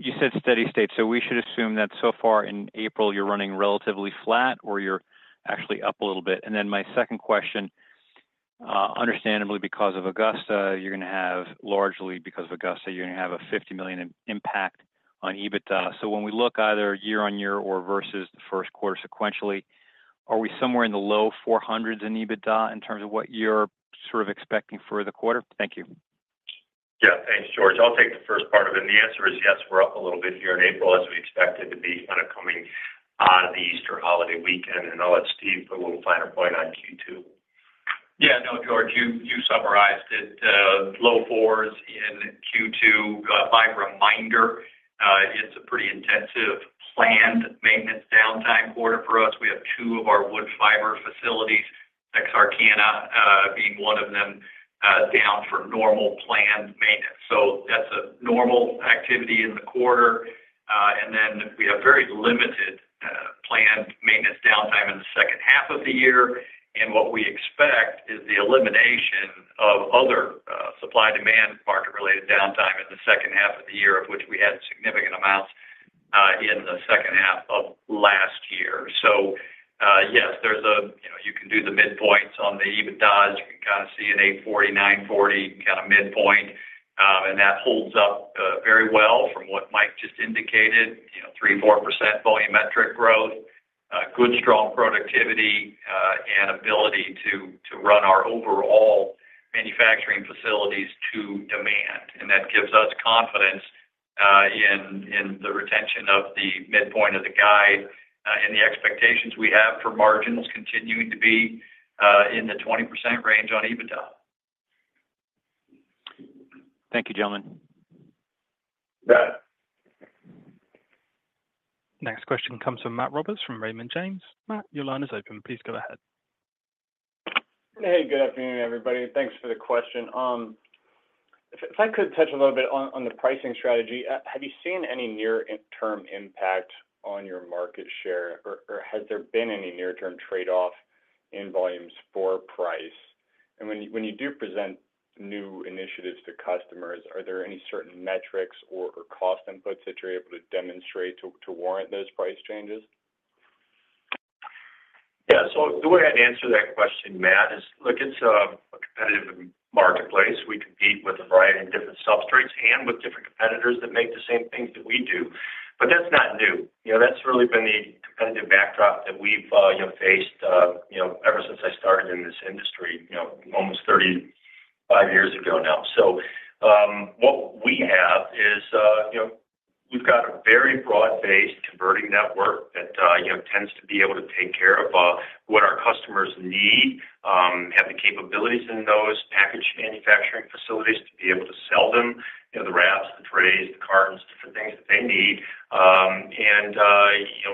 Speaker 10: You said steady state, so we should assume that so far in April, you're running relatively flat or you're actually up a little bit? And then my second question, understandably, because of Augusta, you're gonna have-- largely because of Augusta, you're gonna have a $50 million impact on EBITDA. So when we look either year-on-year or versus the first quarter sequentially, are we somewhere in the low 400s in EBITDA in terms of what you're sort of expecting for the quarter? Thank you.
Speaker 3: Yeah. Thanks, George. I'll take the first part of it, and the answer is yes, we're up a little bit here in April, as we expected to be, kind of coming out of the Easter holiday weekend, and I'll let Steph put a little finer point on Q2.
Speaker 4: Yeah. No, George, you summarized it, low 4s in Q2. As a reminder, it's a pretty intensive planned maintenance downtime quarter for us. We have two of our wood fiber facilities, Texarkana being one of them, down for normal planned maintenance. So that's a normal activity in the quarter. And then we have very limited planned maintenance downtime in the second half of the year. And what we expect is the elimination of other supply-demand market-related downtime in the second half of the year, of which we had significant amounts in the second half of last year. So, yes, there's a—you know, you can do the midpoints on the EBITDAs. You can kind of see an $840-$940 kind of midpoint, and that holds up very well from what Mike just indicated. You know, 3%-4% volumetric growth, good, strong productivity, and ability to run our overall manufacturing facilities to demand. That gives us confidence in the retention of the midpoint of the guide, and the expectations we have for margins continuing to be in the 20% range on EBITDA.
Speaker 10: Thank you, gentlemen.
Speaker 3: You bet.
Speaker 1: Next question comes from Matt Roberts, from Raymond James. Matt, your line is open. Please go ahead.
Speaker 11: Hey, good afternoon, everybody, and thanks for the question. If I could touch a little bit on the pricing strategy. Have you seen any near-term impact on your market share, or has there been any near-term trade-off in volumes for price? And when you do present new initiatives to customers, are there any certain metrics or cost inputs that you're able to demonstrate to warrant those price changes?
Speaker 3: Yeah. So the way I'd answer that question, Matt, is, look, it's a competitive marketplace. We compete with a variety of different substrates and with different competitors that make the same things that we do. But that's not new. You know, that's really been the competitive backdrop that we've faced ever since I started in this industry, you know, almost 35 years ago now. So, what we have is, you know, we've got a very broad-based converting network that tends to be able to take care of what our customers need. Have the capabilities in those package manufacturing facilities to be able to sell them, you know, the wraps, the trays, the cartons, different things that they need, and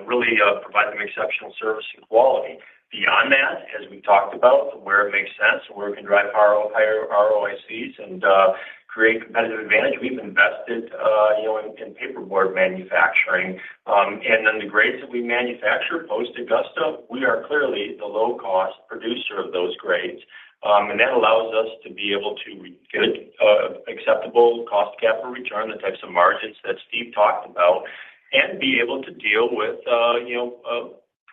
Speaker 3: really provide them exceptional service and quality. Beyond that, as we talked about, where it makes sense and where we can drive higher ROICs and create competitive advantage, we've invested, you know, in paperboard manufacturing. And then the grades that we manufacture post Augusta, we are clearly the low-cost producer of those grades. And that allows us to be able to get, you know, acceptable cost, capital return, the types of margins that Steph talked about, and be able to deal with, you know, a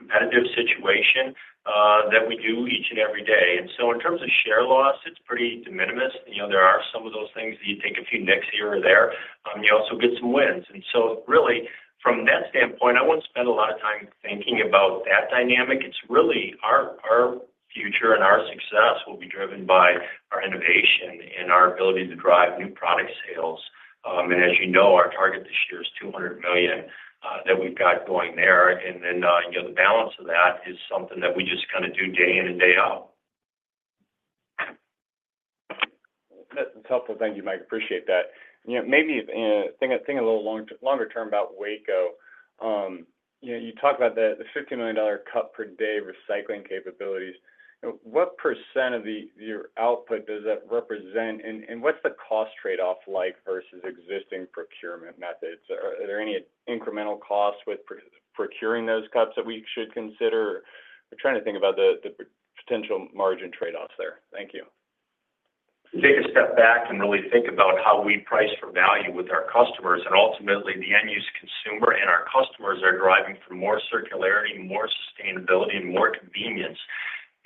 Speaker 3: competitive situation that we do each and every day. And so in terms of share loss, it's pretty de minimis. You know, there are some of those things, you take a few nicks here or there, you also get some wins. And so really, from that standpoint, I wouldn't spend a lot of time thinking about that dynamic. It's really our future and our success will be driven by our innovation and our ability to drive new product sales. And as you know, our target this year is $200 million that we've got going there. And then, you know, the balance of that is something that we just kind of do day in and day out.
Speaker 11: That's helpful. Thank you, Mike. I appreciate that. You know, maybe think a little longer term about Waco. You know, you talked about the $50 million cup per day recycling capabilities. What % of your output does that represent, and what's the cost trade-off like versus existing procurement methods? Are there any incremental costs with procuring those cups that we should consider? We're trying to think about the potential margin trade-offs there. Thank you.
Speaker 3: Take a step back and really think about how we price for value with our customers, and ultimately, the end-use consumer and our customers are driving for more circularity, more sustainability, and more convenience.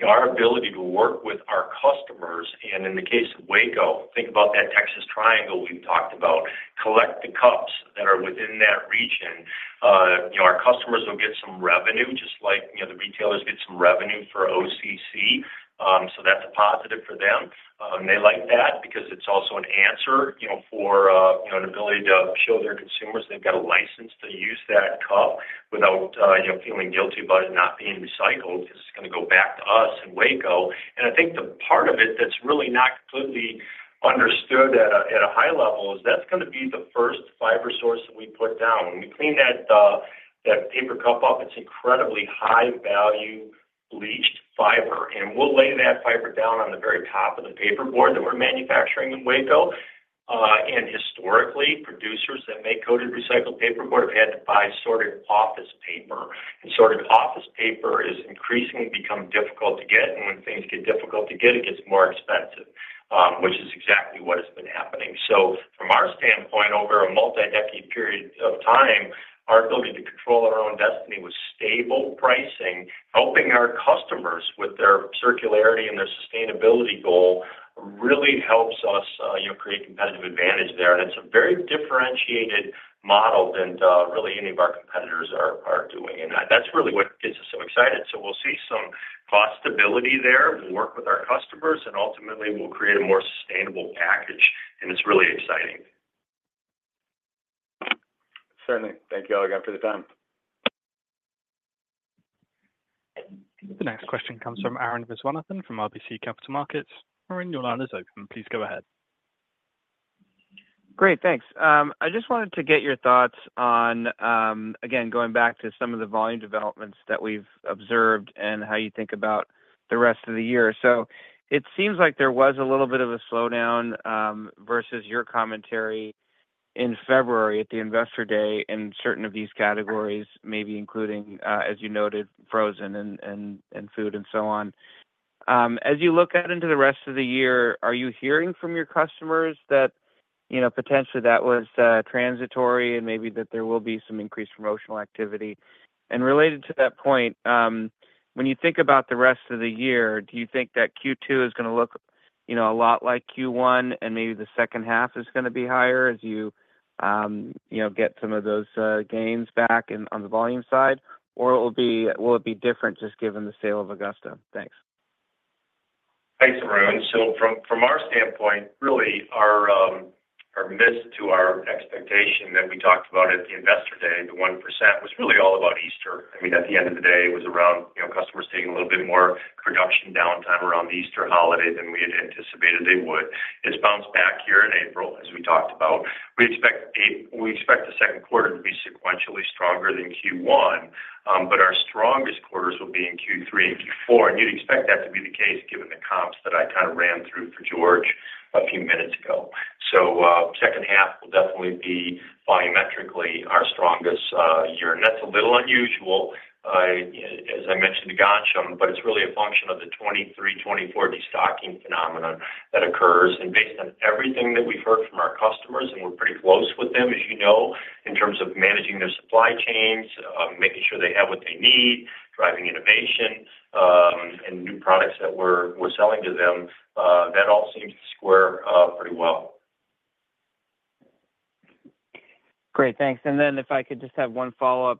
Speaker 3: Our ability to work with our customers, and in the case of Waco, think about that Texas triangle we talked about, collect the cups that are within that region. You know, our customers will get some revenue, just like, you know, the retailers get some revenue for OCC. So that's a positive for them, and they like that because it's also an answer, you know, for, you know, an ability to show their consumers they've got a license to use that cup without, you know, feeling guilty about it not being recycled, because it's gonna go back to us in Waco. I think the part of it that's really not completely understood at a high level is that's gonna be the first fiber source that we put down. When we clean that, that paper cup up, it's incredibly high-value bleached fiber, and we'll lay that fiber down on the very top of the paperboard that we're manufacturing in Waco... And historically, producers that make coated recycled paperboard have had to buy sorted office paper, and sorted office paper is increasingly becoming difficult to get, and when things get difficult to get, it gets more expensive, which is exactly what has been happening. So from our standpoint, over a multi-decade period of time, our ability to control our own destiny with stable pricing, helping our customers with their circularity and their sustainability goal, really helps us, you know, create competitive advantage there. It's a very differentiated model than really any of our competitors are doing. That's really what gets us so excited. We'll see some cost stability there. We'll work with our customers, and ultimately, we'll create a more sustainable package, and it's really exciting.
Speaker 11: Certainly. Thank you all again for the time.
Speaker 1: The next question comes from Arun Viswanathan, from RBC Capital Markets. Arun, your line is open. Please go ahead.
Speaker 12: Great, thanks. I just wanted to get your thoughts on, again, going back to some of the volume developments that we've observed and how you think about the rest of the year. So it seems like there was a little bit of a slowdown, versus your commentary in February at the Investor Day in certain of these categories, maybe including, as you noted, frozen and food and so on. As you look out into the rest of the year, are you hearing from your customers that, you know, potentially that was transitory and maybe that there will be some increased promotional activity? Related to that point, when you think about the rest of the year, do you think that Q2 is gonna look, you know, a lot like Q1, and maybe the second half is gonna be higher as you, you know, get some of those gains back in, on the volume side? Or will it be different just given the sale of Augusta? Thanks.
Speaker 3: Thanks, Arun. So from our standpoint, really, our miss to our expectation that we talked about at the Investor Day, the 1%, was really all about Easter. I mean, at the end of the day, it was around, you know, customers taking a little bit more production downtime around the Easter holiday than we had anticipated they would. It's bounced back here in April, as we talked about. We expect the second quarter to be sequentially stronger than Q1, but our strongest quarters will be in Q3 and Q4. And you'd expect that to be the case, given the comps that I kind of ran through for George a few minutes ago. So, second half will definitely be biometrically our strongest year. That's a little unusual, as I mentioned to Gokce, but it's really a function of the 2023, 2024 destocking phenomenon that occurs. Based on everything that we've heard from our customers, and we're pretty close with them, as you know, in terms of managing their supply chains, making sure they have what they need, driving innovation, and new products that we're, we're selling to them, that all seems to square up pretty well.
Speaker 12: Great, thanks. And then if I could just have one follow-up.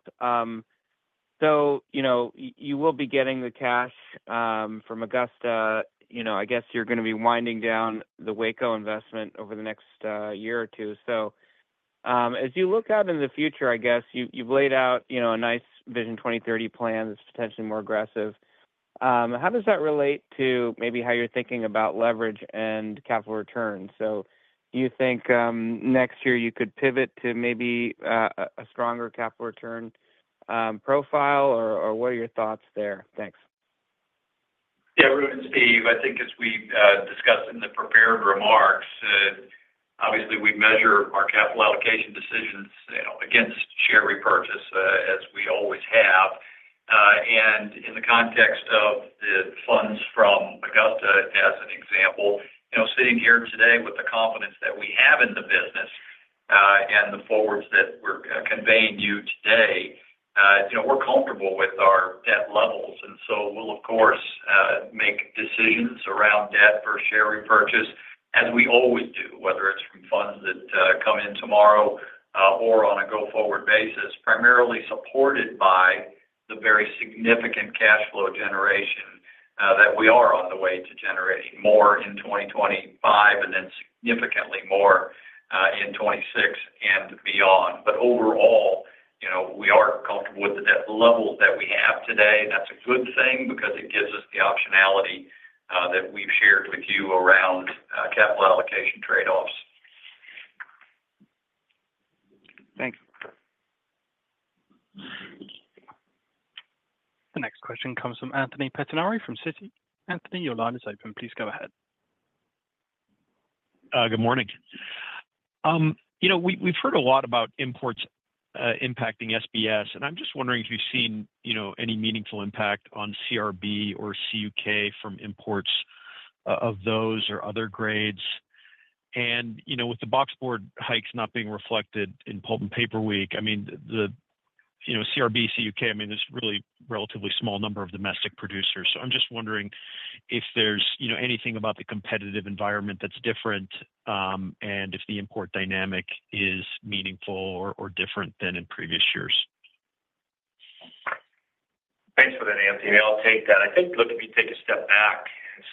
Speaker 12: So, you know, you will be getting the cash from Augusta. You know, I guess you're gonna be winding down the Waco investment over the next year or two. So, as you look out in the future, I guess you, you've laid out, you know, a nice Vision 2030 plan that's potentially more aggressive. How does that relate to maybe how you're thinking about leverage and capital returns? So do you think next year you could pivot to maybe a stronger capital return profile, or what are your thoughts there? Thanks.
Speaker 4: Yeah, Arun, Steph, I think as we discussed in the prepared remarks, obviously, we measure our capital allocation decisions, you know, against share repurchase, as we always have. And in the context of the funds from Augusta, as an example, you know, sitting here today with the confidence that we have in the business, and the forwards that we're conveying to you today, you know, we're comfortable with our debt levels. And so we'll, of course, make decisions around debt for share repurchase, as we always do, whether it's from funds that come in tomorrow, or on a go-forward basis, primarily supported by the very significant cash flow generation, that we are on the way to generating more in 2025, and then significantly more, in 2026 and beyond. Overall, you know, we are comfortable with the debt level that we have today, and that's a good thing because it gives us the optionality that we've shared with you around capital allocation trade-offs.
Speaker 12: Thanks.
Speaker 1: The next question comes from Anthony Pettinari from Citi. Anthony, your line is open. Please go ahead.
Speaker 13: Good morning. You know, we’ve heard a lot about imports impacting SBS, and I’m just wondering if you’ve seen, you know, any meaningful impact on CRB or CUK from imports of those or other grades. And, you know, with the boxboard hikes not being reflected in Pulp and Paper Week, I mean, the, you know, CRB, CUK, I mean, there’s really relatively small number of domestic producers. So I’m just wondering if there’s, you know, anything about the competitive environment that’s different, and if the import dynamic is meaningful or different than in previous years?
Speaker 3: Thanks for that, Anthony. I'll take that. I think, look, let me take a step back.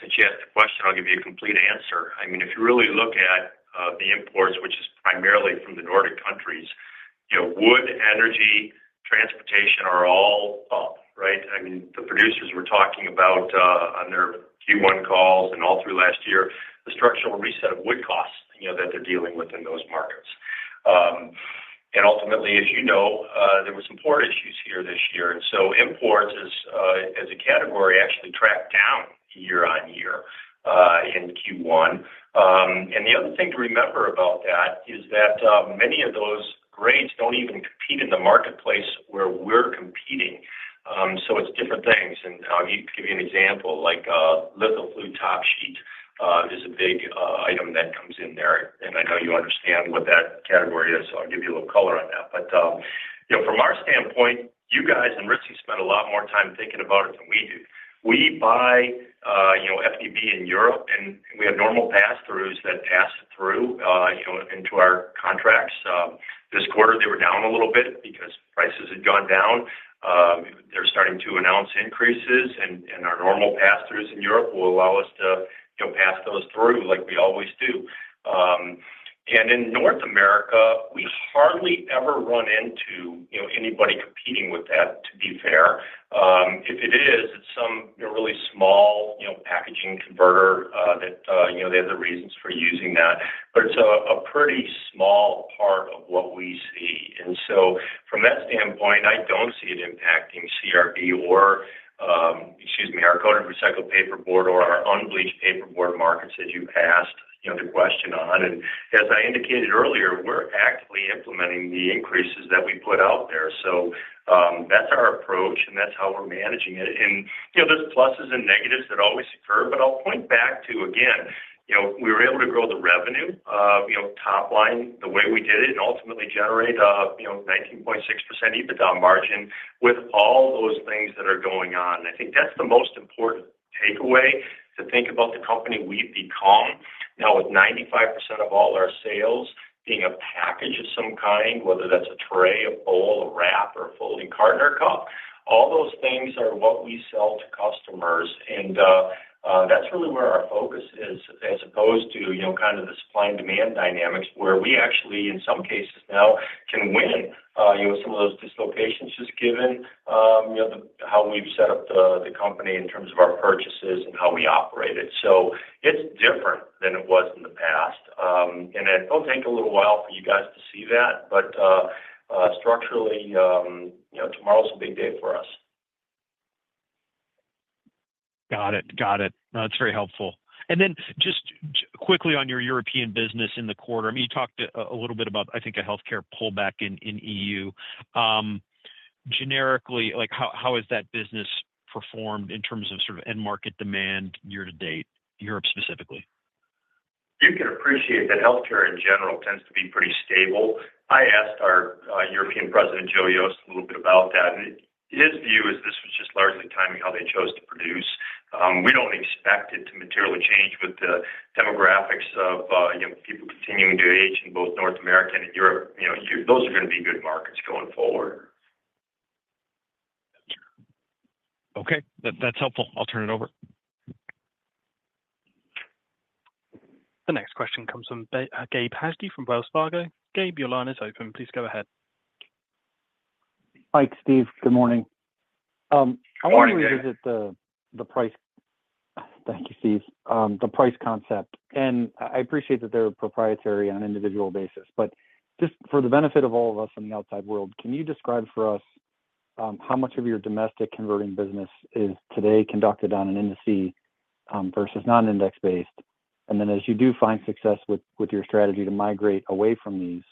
Speaker 3: Since you asked the question, I'll give you a complete answer. I mean, if you really look at the imports, which is primarily from the Nordic countries, you know, wood, energy, transportation are all up, right? I mean, the producers were talking about on their Q1 calls and all through last year, the structural reset of wood costs, you know, that they're dealing with in those markets. And ultimately, as you know, there were some port issues here this year, and so imports as a category, actually tracked down year-on-year in Q1. And the other thing to remember about that is that many of those grades don't even compete in the marketplace where we're competing. So it's different things, and, to give you an example, like, litho blue top sheet, is a big, item that comes in there, and I know you understand what that category is, so I'll give you a little color on that. But, you know, from our standpoint, you guys and Ritzy spend a lot more time thinking about it than we do. We buy, you know, FBB in Europe, and we have normal passthroughs that pass through, you know, into our contracts. This quarter, they were down a little bit because prices had gone down. They're starting to announce increases, and, and our normal passthroughs in Europe will allow us to, you know, pass those through like we always do. And in North America, we hardly ever run into, you know, anybody competing with that, to be fair. If it is, it's some really small, you know, packaging converter, that, you know, they have their reasons for using that. But it's a pretty small part of what we see. And so from that standpoint, I don't see it impacting CRB or, excuse me, our coated recycled paperboard or our unbleached paperboard markets as you asked, you know, the question on. And as I indicated earlier, we're actively implementing the increases that we put out there. So, that's our approach, and that's how we're managing it. And, you know, there's pluses and negatives that always occur, but I'll point back to, again, you know, we were able to grow the revenue, you know, top line, the way we did it, and ultimately generate a, you know, 19.6% EBITDA margin with all those things that are going on. I think that's the most important takeaway to think about the company we've become. Now, with 95% of all our sales being a package of some kind, whether that's a tray, a bowl, a wrap, or a folding carton or cup, all those things are what we sell to customers, and that's really where our focus is, as opposed to, you know, kind of the supply and demand dynamics, where we actually, in some cases, now, can win, you know, some of those dislocations, just given, you know, how we've set up the company in terms of our purchases and how we operate it. So it's different than it was in the past. And it'll take a little while for you guys to see that, but structurally, you know, tomorrow's a big day for us.
Speaker 13: Got it. Got it. No, it's very helpful. And then just quickly on your European business in the quarter, I mean, you talked a little bit about, I think, a healthcare pullback in EU. Generically, like, how has that business performed in terms of sort of end market demand year to date, Europe, specifically?
Speaker 3: You can appreciate that healthcare in general tends to be pretty stable. I asked our European President, Joe Yost, a little bit about that, and his view is this was just largely timing, how they chose to produce. We don't expect it to materially change with the demographics of, you know, people continuing to age in both North America and in Europe. You know, those are gonna be good markets going forward.
Speaker 13: Okay, that, that's helpful. I'll turn it over.
Speaker 1: The next question comes from Gabe Hajde from Wells Fargo. Gabe, your line is open. Please go ahead.
Speaker 14: Hi, Steph. Good morning.
Speaker 4: Good morning, Gabe.
Speaker 14: Thank you, Steph. The price concept, and I appreciate that they're proprietary on an individual basis, but just for the benefit of all of us in the outside world, can you describe for us how much of your domestic converting business is today conducted on an index fee versus non-index based? And then, as you do find success with your strategy to migrate away from these,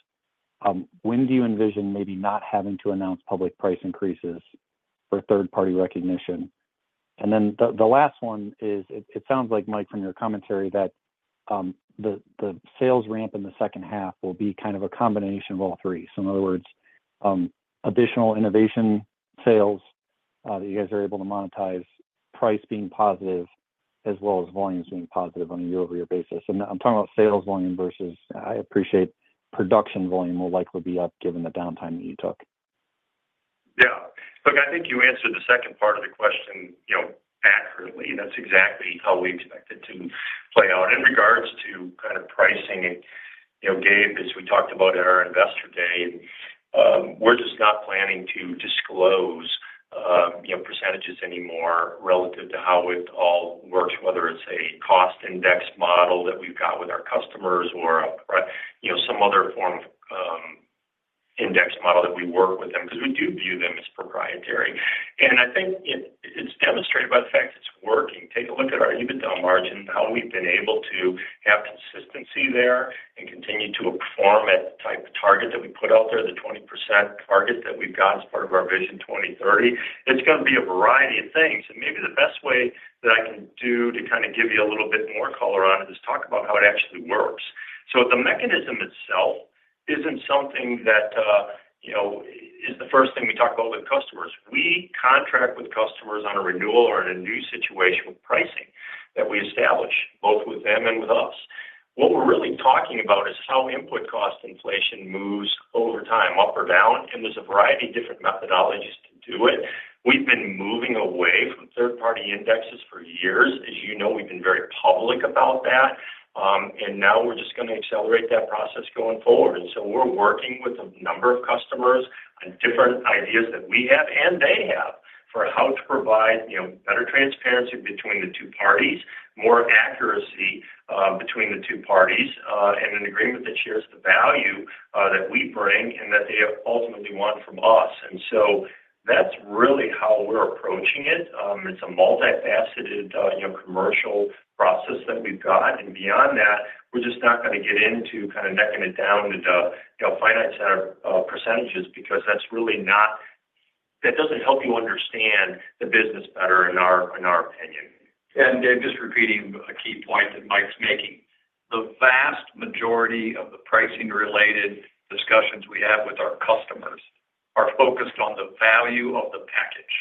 Speaker 14: when do you envision maybe not having to announce public price increases for third-party recognition? And then the last one is, it sounds like, Mike, from your commentary, that the sales ramp in the second half will be kind of a combination of all three. In other words, additional innovation sales that you guys are able to monetize, price being positive, as well as volumes being positive on a year-over-year basis. I'm talking about sales volume versus I appreciate production volume will likely be up given the downtime that you took.
Speaker 4: Yeah. Look, I think you answered the second part of the question, you know, accurately, and that's exactly how we expect it to play out. In regards to kind of pricing, you know, Gabe, as we talked about in our Investor Day, we're just not planning to disclose, you know, percentages anymore relative to how it all works, whether it's a cost index model that we've got with our customers or, you know, some other form of, index model that we work with them, because we do view them as proprietary. And I think it, it's demonstrated by the fact it's working. Take a look at our EBITDA margin, how we've been able to have consistency there and continue to perform at the type of target that we put out there, the 20% target that we've got as part of our Vision 2030. It's gonna be a variety of things, and maybe the best way that I can do to kind of give you a little bit more color on it is talk about how it actually works. So the mechanism itself isn't something that, you know, is the first thing we talk about with customers. We contract with customers on a renewal or in a new situation with pricing, that we establish, both with them and with us. What we're really talking about is how input cost inflation moves over time, up or down, and there's a variety of different methodologies to do it. We've been moving away from third-party indexes for years. As you know, we've been very public about that, and now we're just gonna accelerate that process going forward. So we're working with a number of customers on different ideas that we have, and they have.... for how to provide, you know, better transparency between the two parties, more accuracy, between the two parties, and an agreement that shares the value, that we bring and that they ultimately want from us. And so that's really how we're approaching it. It's a multifaceted, you know, commercial process that we've got. And beyond that, we're just not gonna get into kind of necking it down into, you know, finite, percentages because that's really not-- That doesn't help you understand the business better, in our, in our opinion. And just repeating a key point that Mike's making. The vast majority of the pricing-related discussions we have with our customers are focused on the value of the package,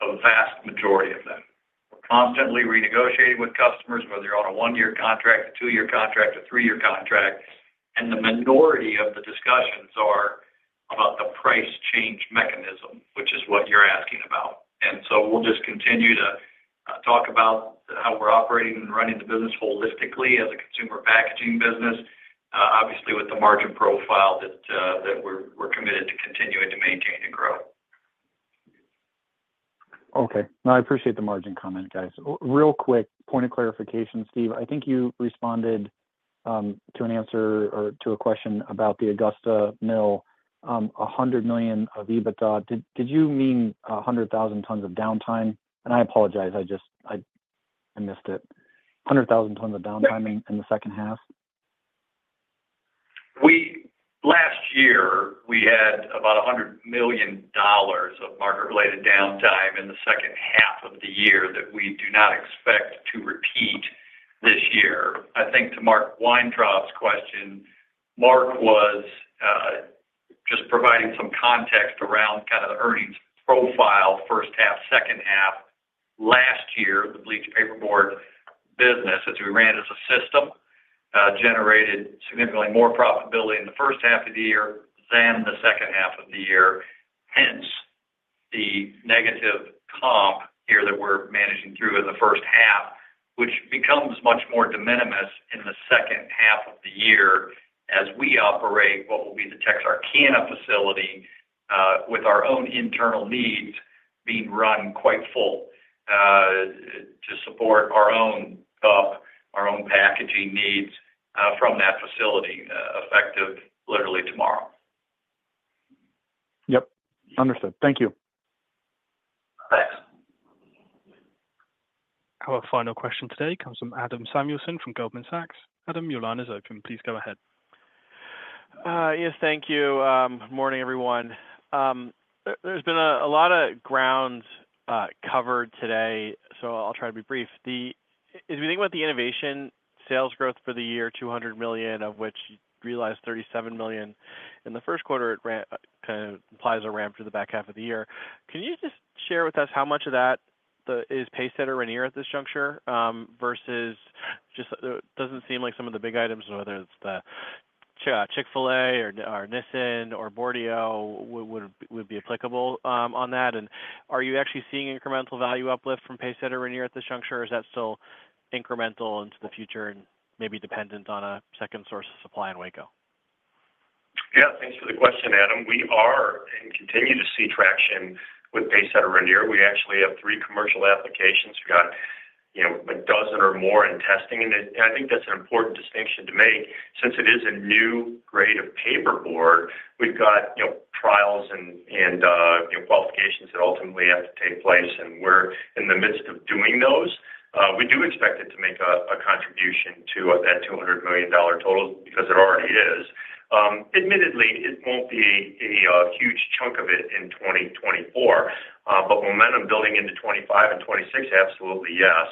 Speaker 4: the vast majority of them. We're constantly renegotiating with customers, whether you're on a 1-year contract, a 2-year contract, a 3-year contract, and the minority of the discussions are about the price change mechanism, which is what you're asking about. And so we'll just continue to talk about how we're operating and running the business holistically as a consumer packaging business, obviously, with the margin profile that we're committed to continuing to maintain and grow.
Speaker 14: Okay. No, I appreciate the margin comment, guys. Real quick point of clarification, Steph. I think you responded to an answer or to a question about the Augusta Mill, $100 million of EBITDA. Did you mean 100,000 tons of downtime? And I apologize, I just missed it. 100,000 tons of downtime in the second half?
Speaker 4: Last year, we had about $100 million of market-related downtime in the second half of the year that we do not expect to repeat this year. I think to Mark Weintraub's question, Mark was just providing some context around kind of the earnings profile, first half, second half. Last year, the Bleached Paperboard business, as we ran it as a system, generated significantly more profitability in the first half of the year than the second half of the year. Hence, the negative comp here that we're managing through in the first half, which becomes much more de minimis in the second half of the year, as we operate what will be the Texarkana facility, with our own internal needs being run quite full, to support our own cup, our own packaging needs, from that facility, effective literally tomorrow.
Speaker 14: Yep, understood. Thank you.
Speaker 4: Thanks.
Speaker 1: Our final question today comes from Adam Samuelson from Goldman Sachs. Adam, your line is open. Please go ahead.
Speaker 15: Yes, thank you. Good morning, everyone. There's been a lot of ground covered today, so I'll try to be brief. As we think about the innovation sales growth for the year, $200 million, of which you realized $37 million in the first quarter, it kind of implies a ramp through the back half of the year. Can you just share with us how much of that is Pacesetter Rainier at this juncture versus just... Doesn't seem like some of the big items, whether it's the Chick-fil-A or Nissin or Boardio would be applicable on that? And are you actually seeing incremental value uplift from Pacesetter Rainier at this juncture, or is that still incremental into the future and maybe dependent on a second source of supply in Waco?
Speaker 3: Yeah, thanks for the question, Adam. We are and continue to see traction with Pacesetter Rainier. We actually have three commercial applications. We got, you know, 12 or more in testing, and I think that's an important distinction to make. Since it is a new grade of paperboard, we've got, you know, trials and you know qualifications that ultimately have to take place, and we're in the midst of doing those. We do expect it to make a contribution to that $200 million total because it already is. Admittedly, it won't be a huge chunk of it in 2024, but momentum building into 2025 and 2026, absolutely, yes.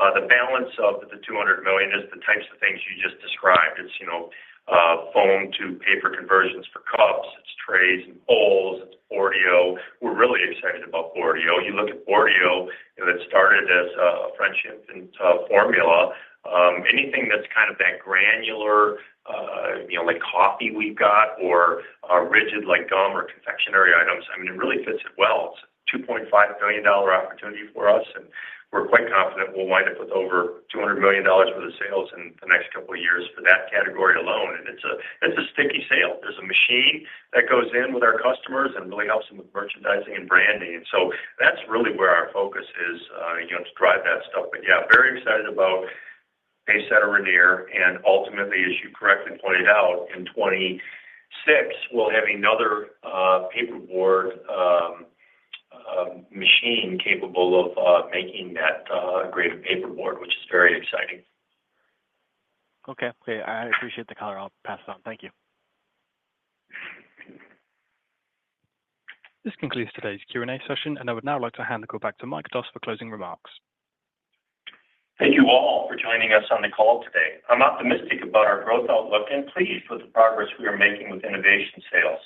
Speaker 3: The balance of the $200 million is the types of things you just described. It's, you know, foam to paper conversions for cups, it's trays and bowls, it's Boardio. We're really excited about Boardio. You look at Boardio, and it started as a friendship and formula. Anything that's kind of that granular, you know, like coffee we've got or rigid, like gum or confectionery items, I mean, it really fits it well. It's a $2.5 billion opportunity for us, and we're quite confident we'll wind up with over $200 million worth of sales in the next couple of years for that category alone. And it's a sticky sale. There's a machine that goes in with our customers and really helps them with merchandising and branding. So that's really where our focus is, you know, to drive that stuff. But yeah, very excited about Pacesetter Rainier, and ultimately, as you correctly pointed out, in 2026, we'll have another paperboard machine capable of making that greater paperboard, which is very exciting.
Speaker 15: Okay. Great. I appreciate the color. I'll pass it on. Thank you.
Speaker 1: This concludes today's Q&A session, and I would now like to hand the call back to Mike Doss for closing remarks.
Speaker 3: Thank you all for joining us on the call today. I'm optimistic about our growth outlook and pleased with the progress we are making with innovation sales.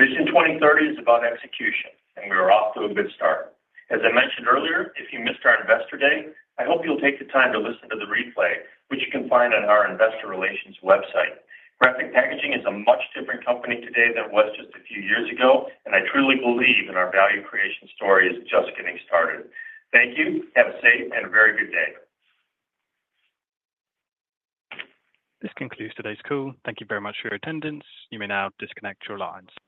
Speaker 3: Vision 2030 is about execution, and we are off to a good start. As I mentioned earlier, if you missed our Investor Day, I hope you'll take the time to listen to the replay, which you can find on our investor relations website. Graphic Packaging is a much different company today than it was just a few years ago, and I truly believe in our value creation story is just getting started. Thank you. Have a safe and a very good day.
Speaker 1: This concludes today's call. Thank you very much for your attendance. You may now disconnect your lines.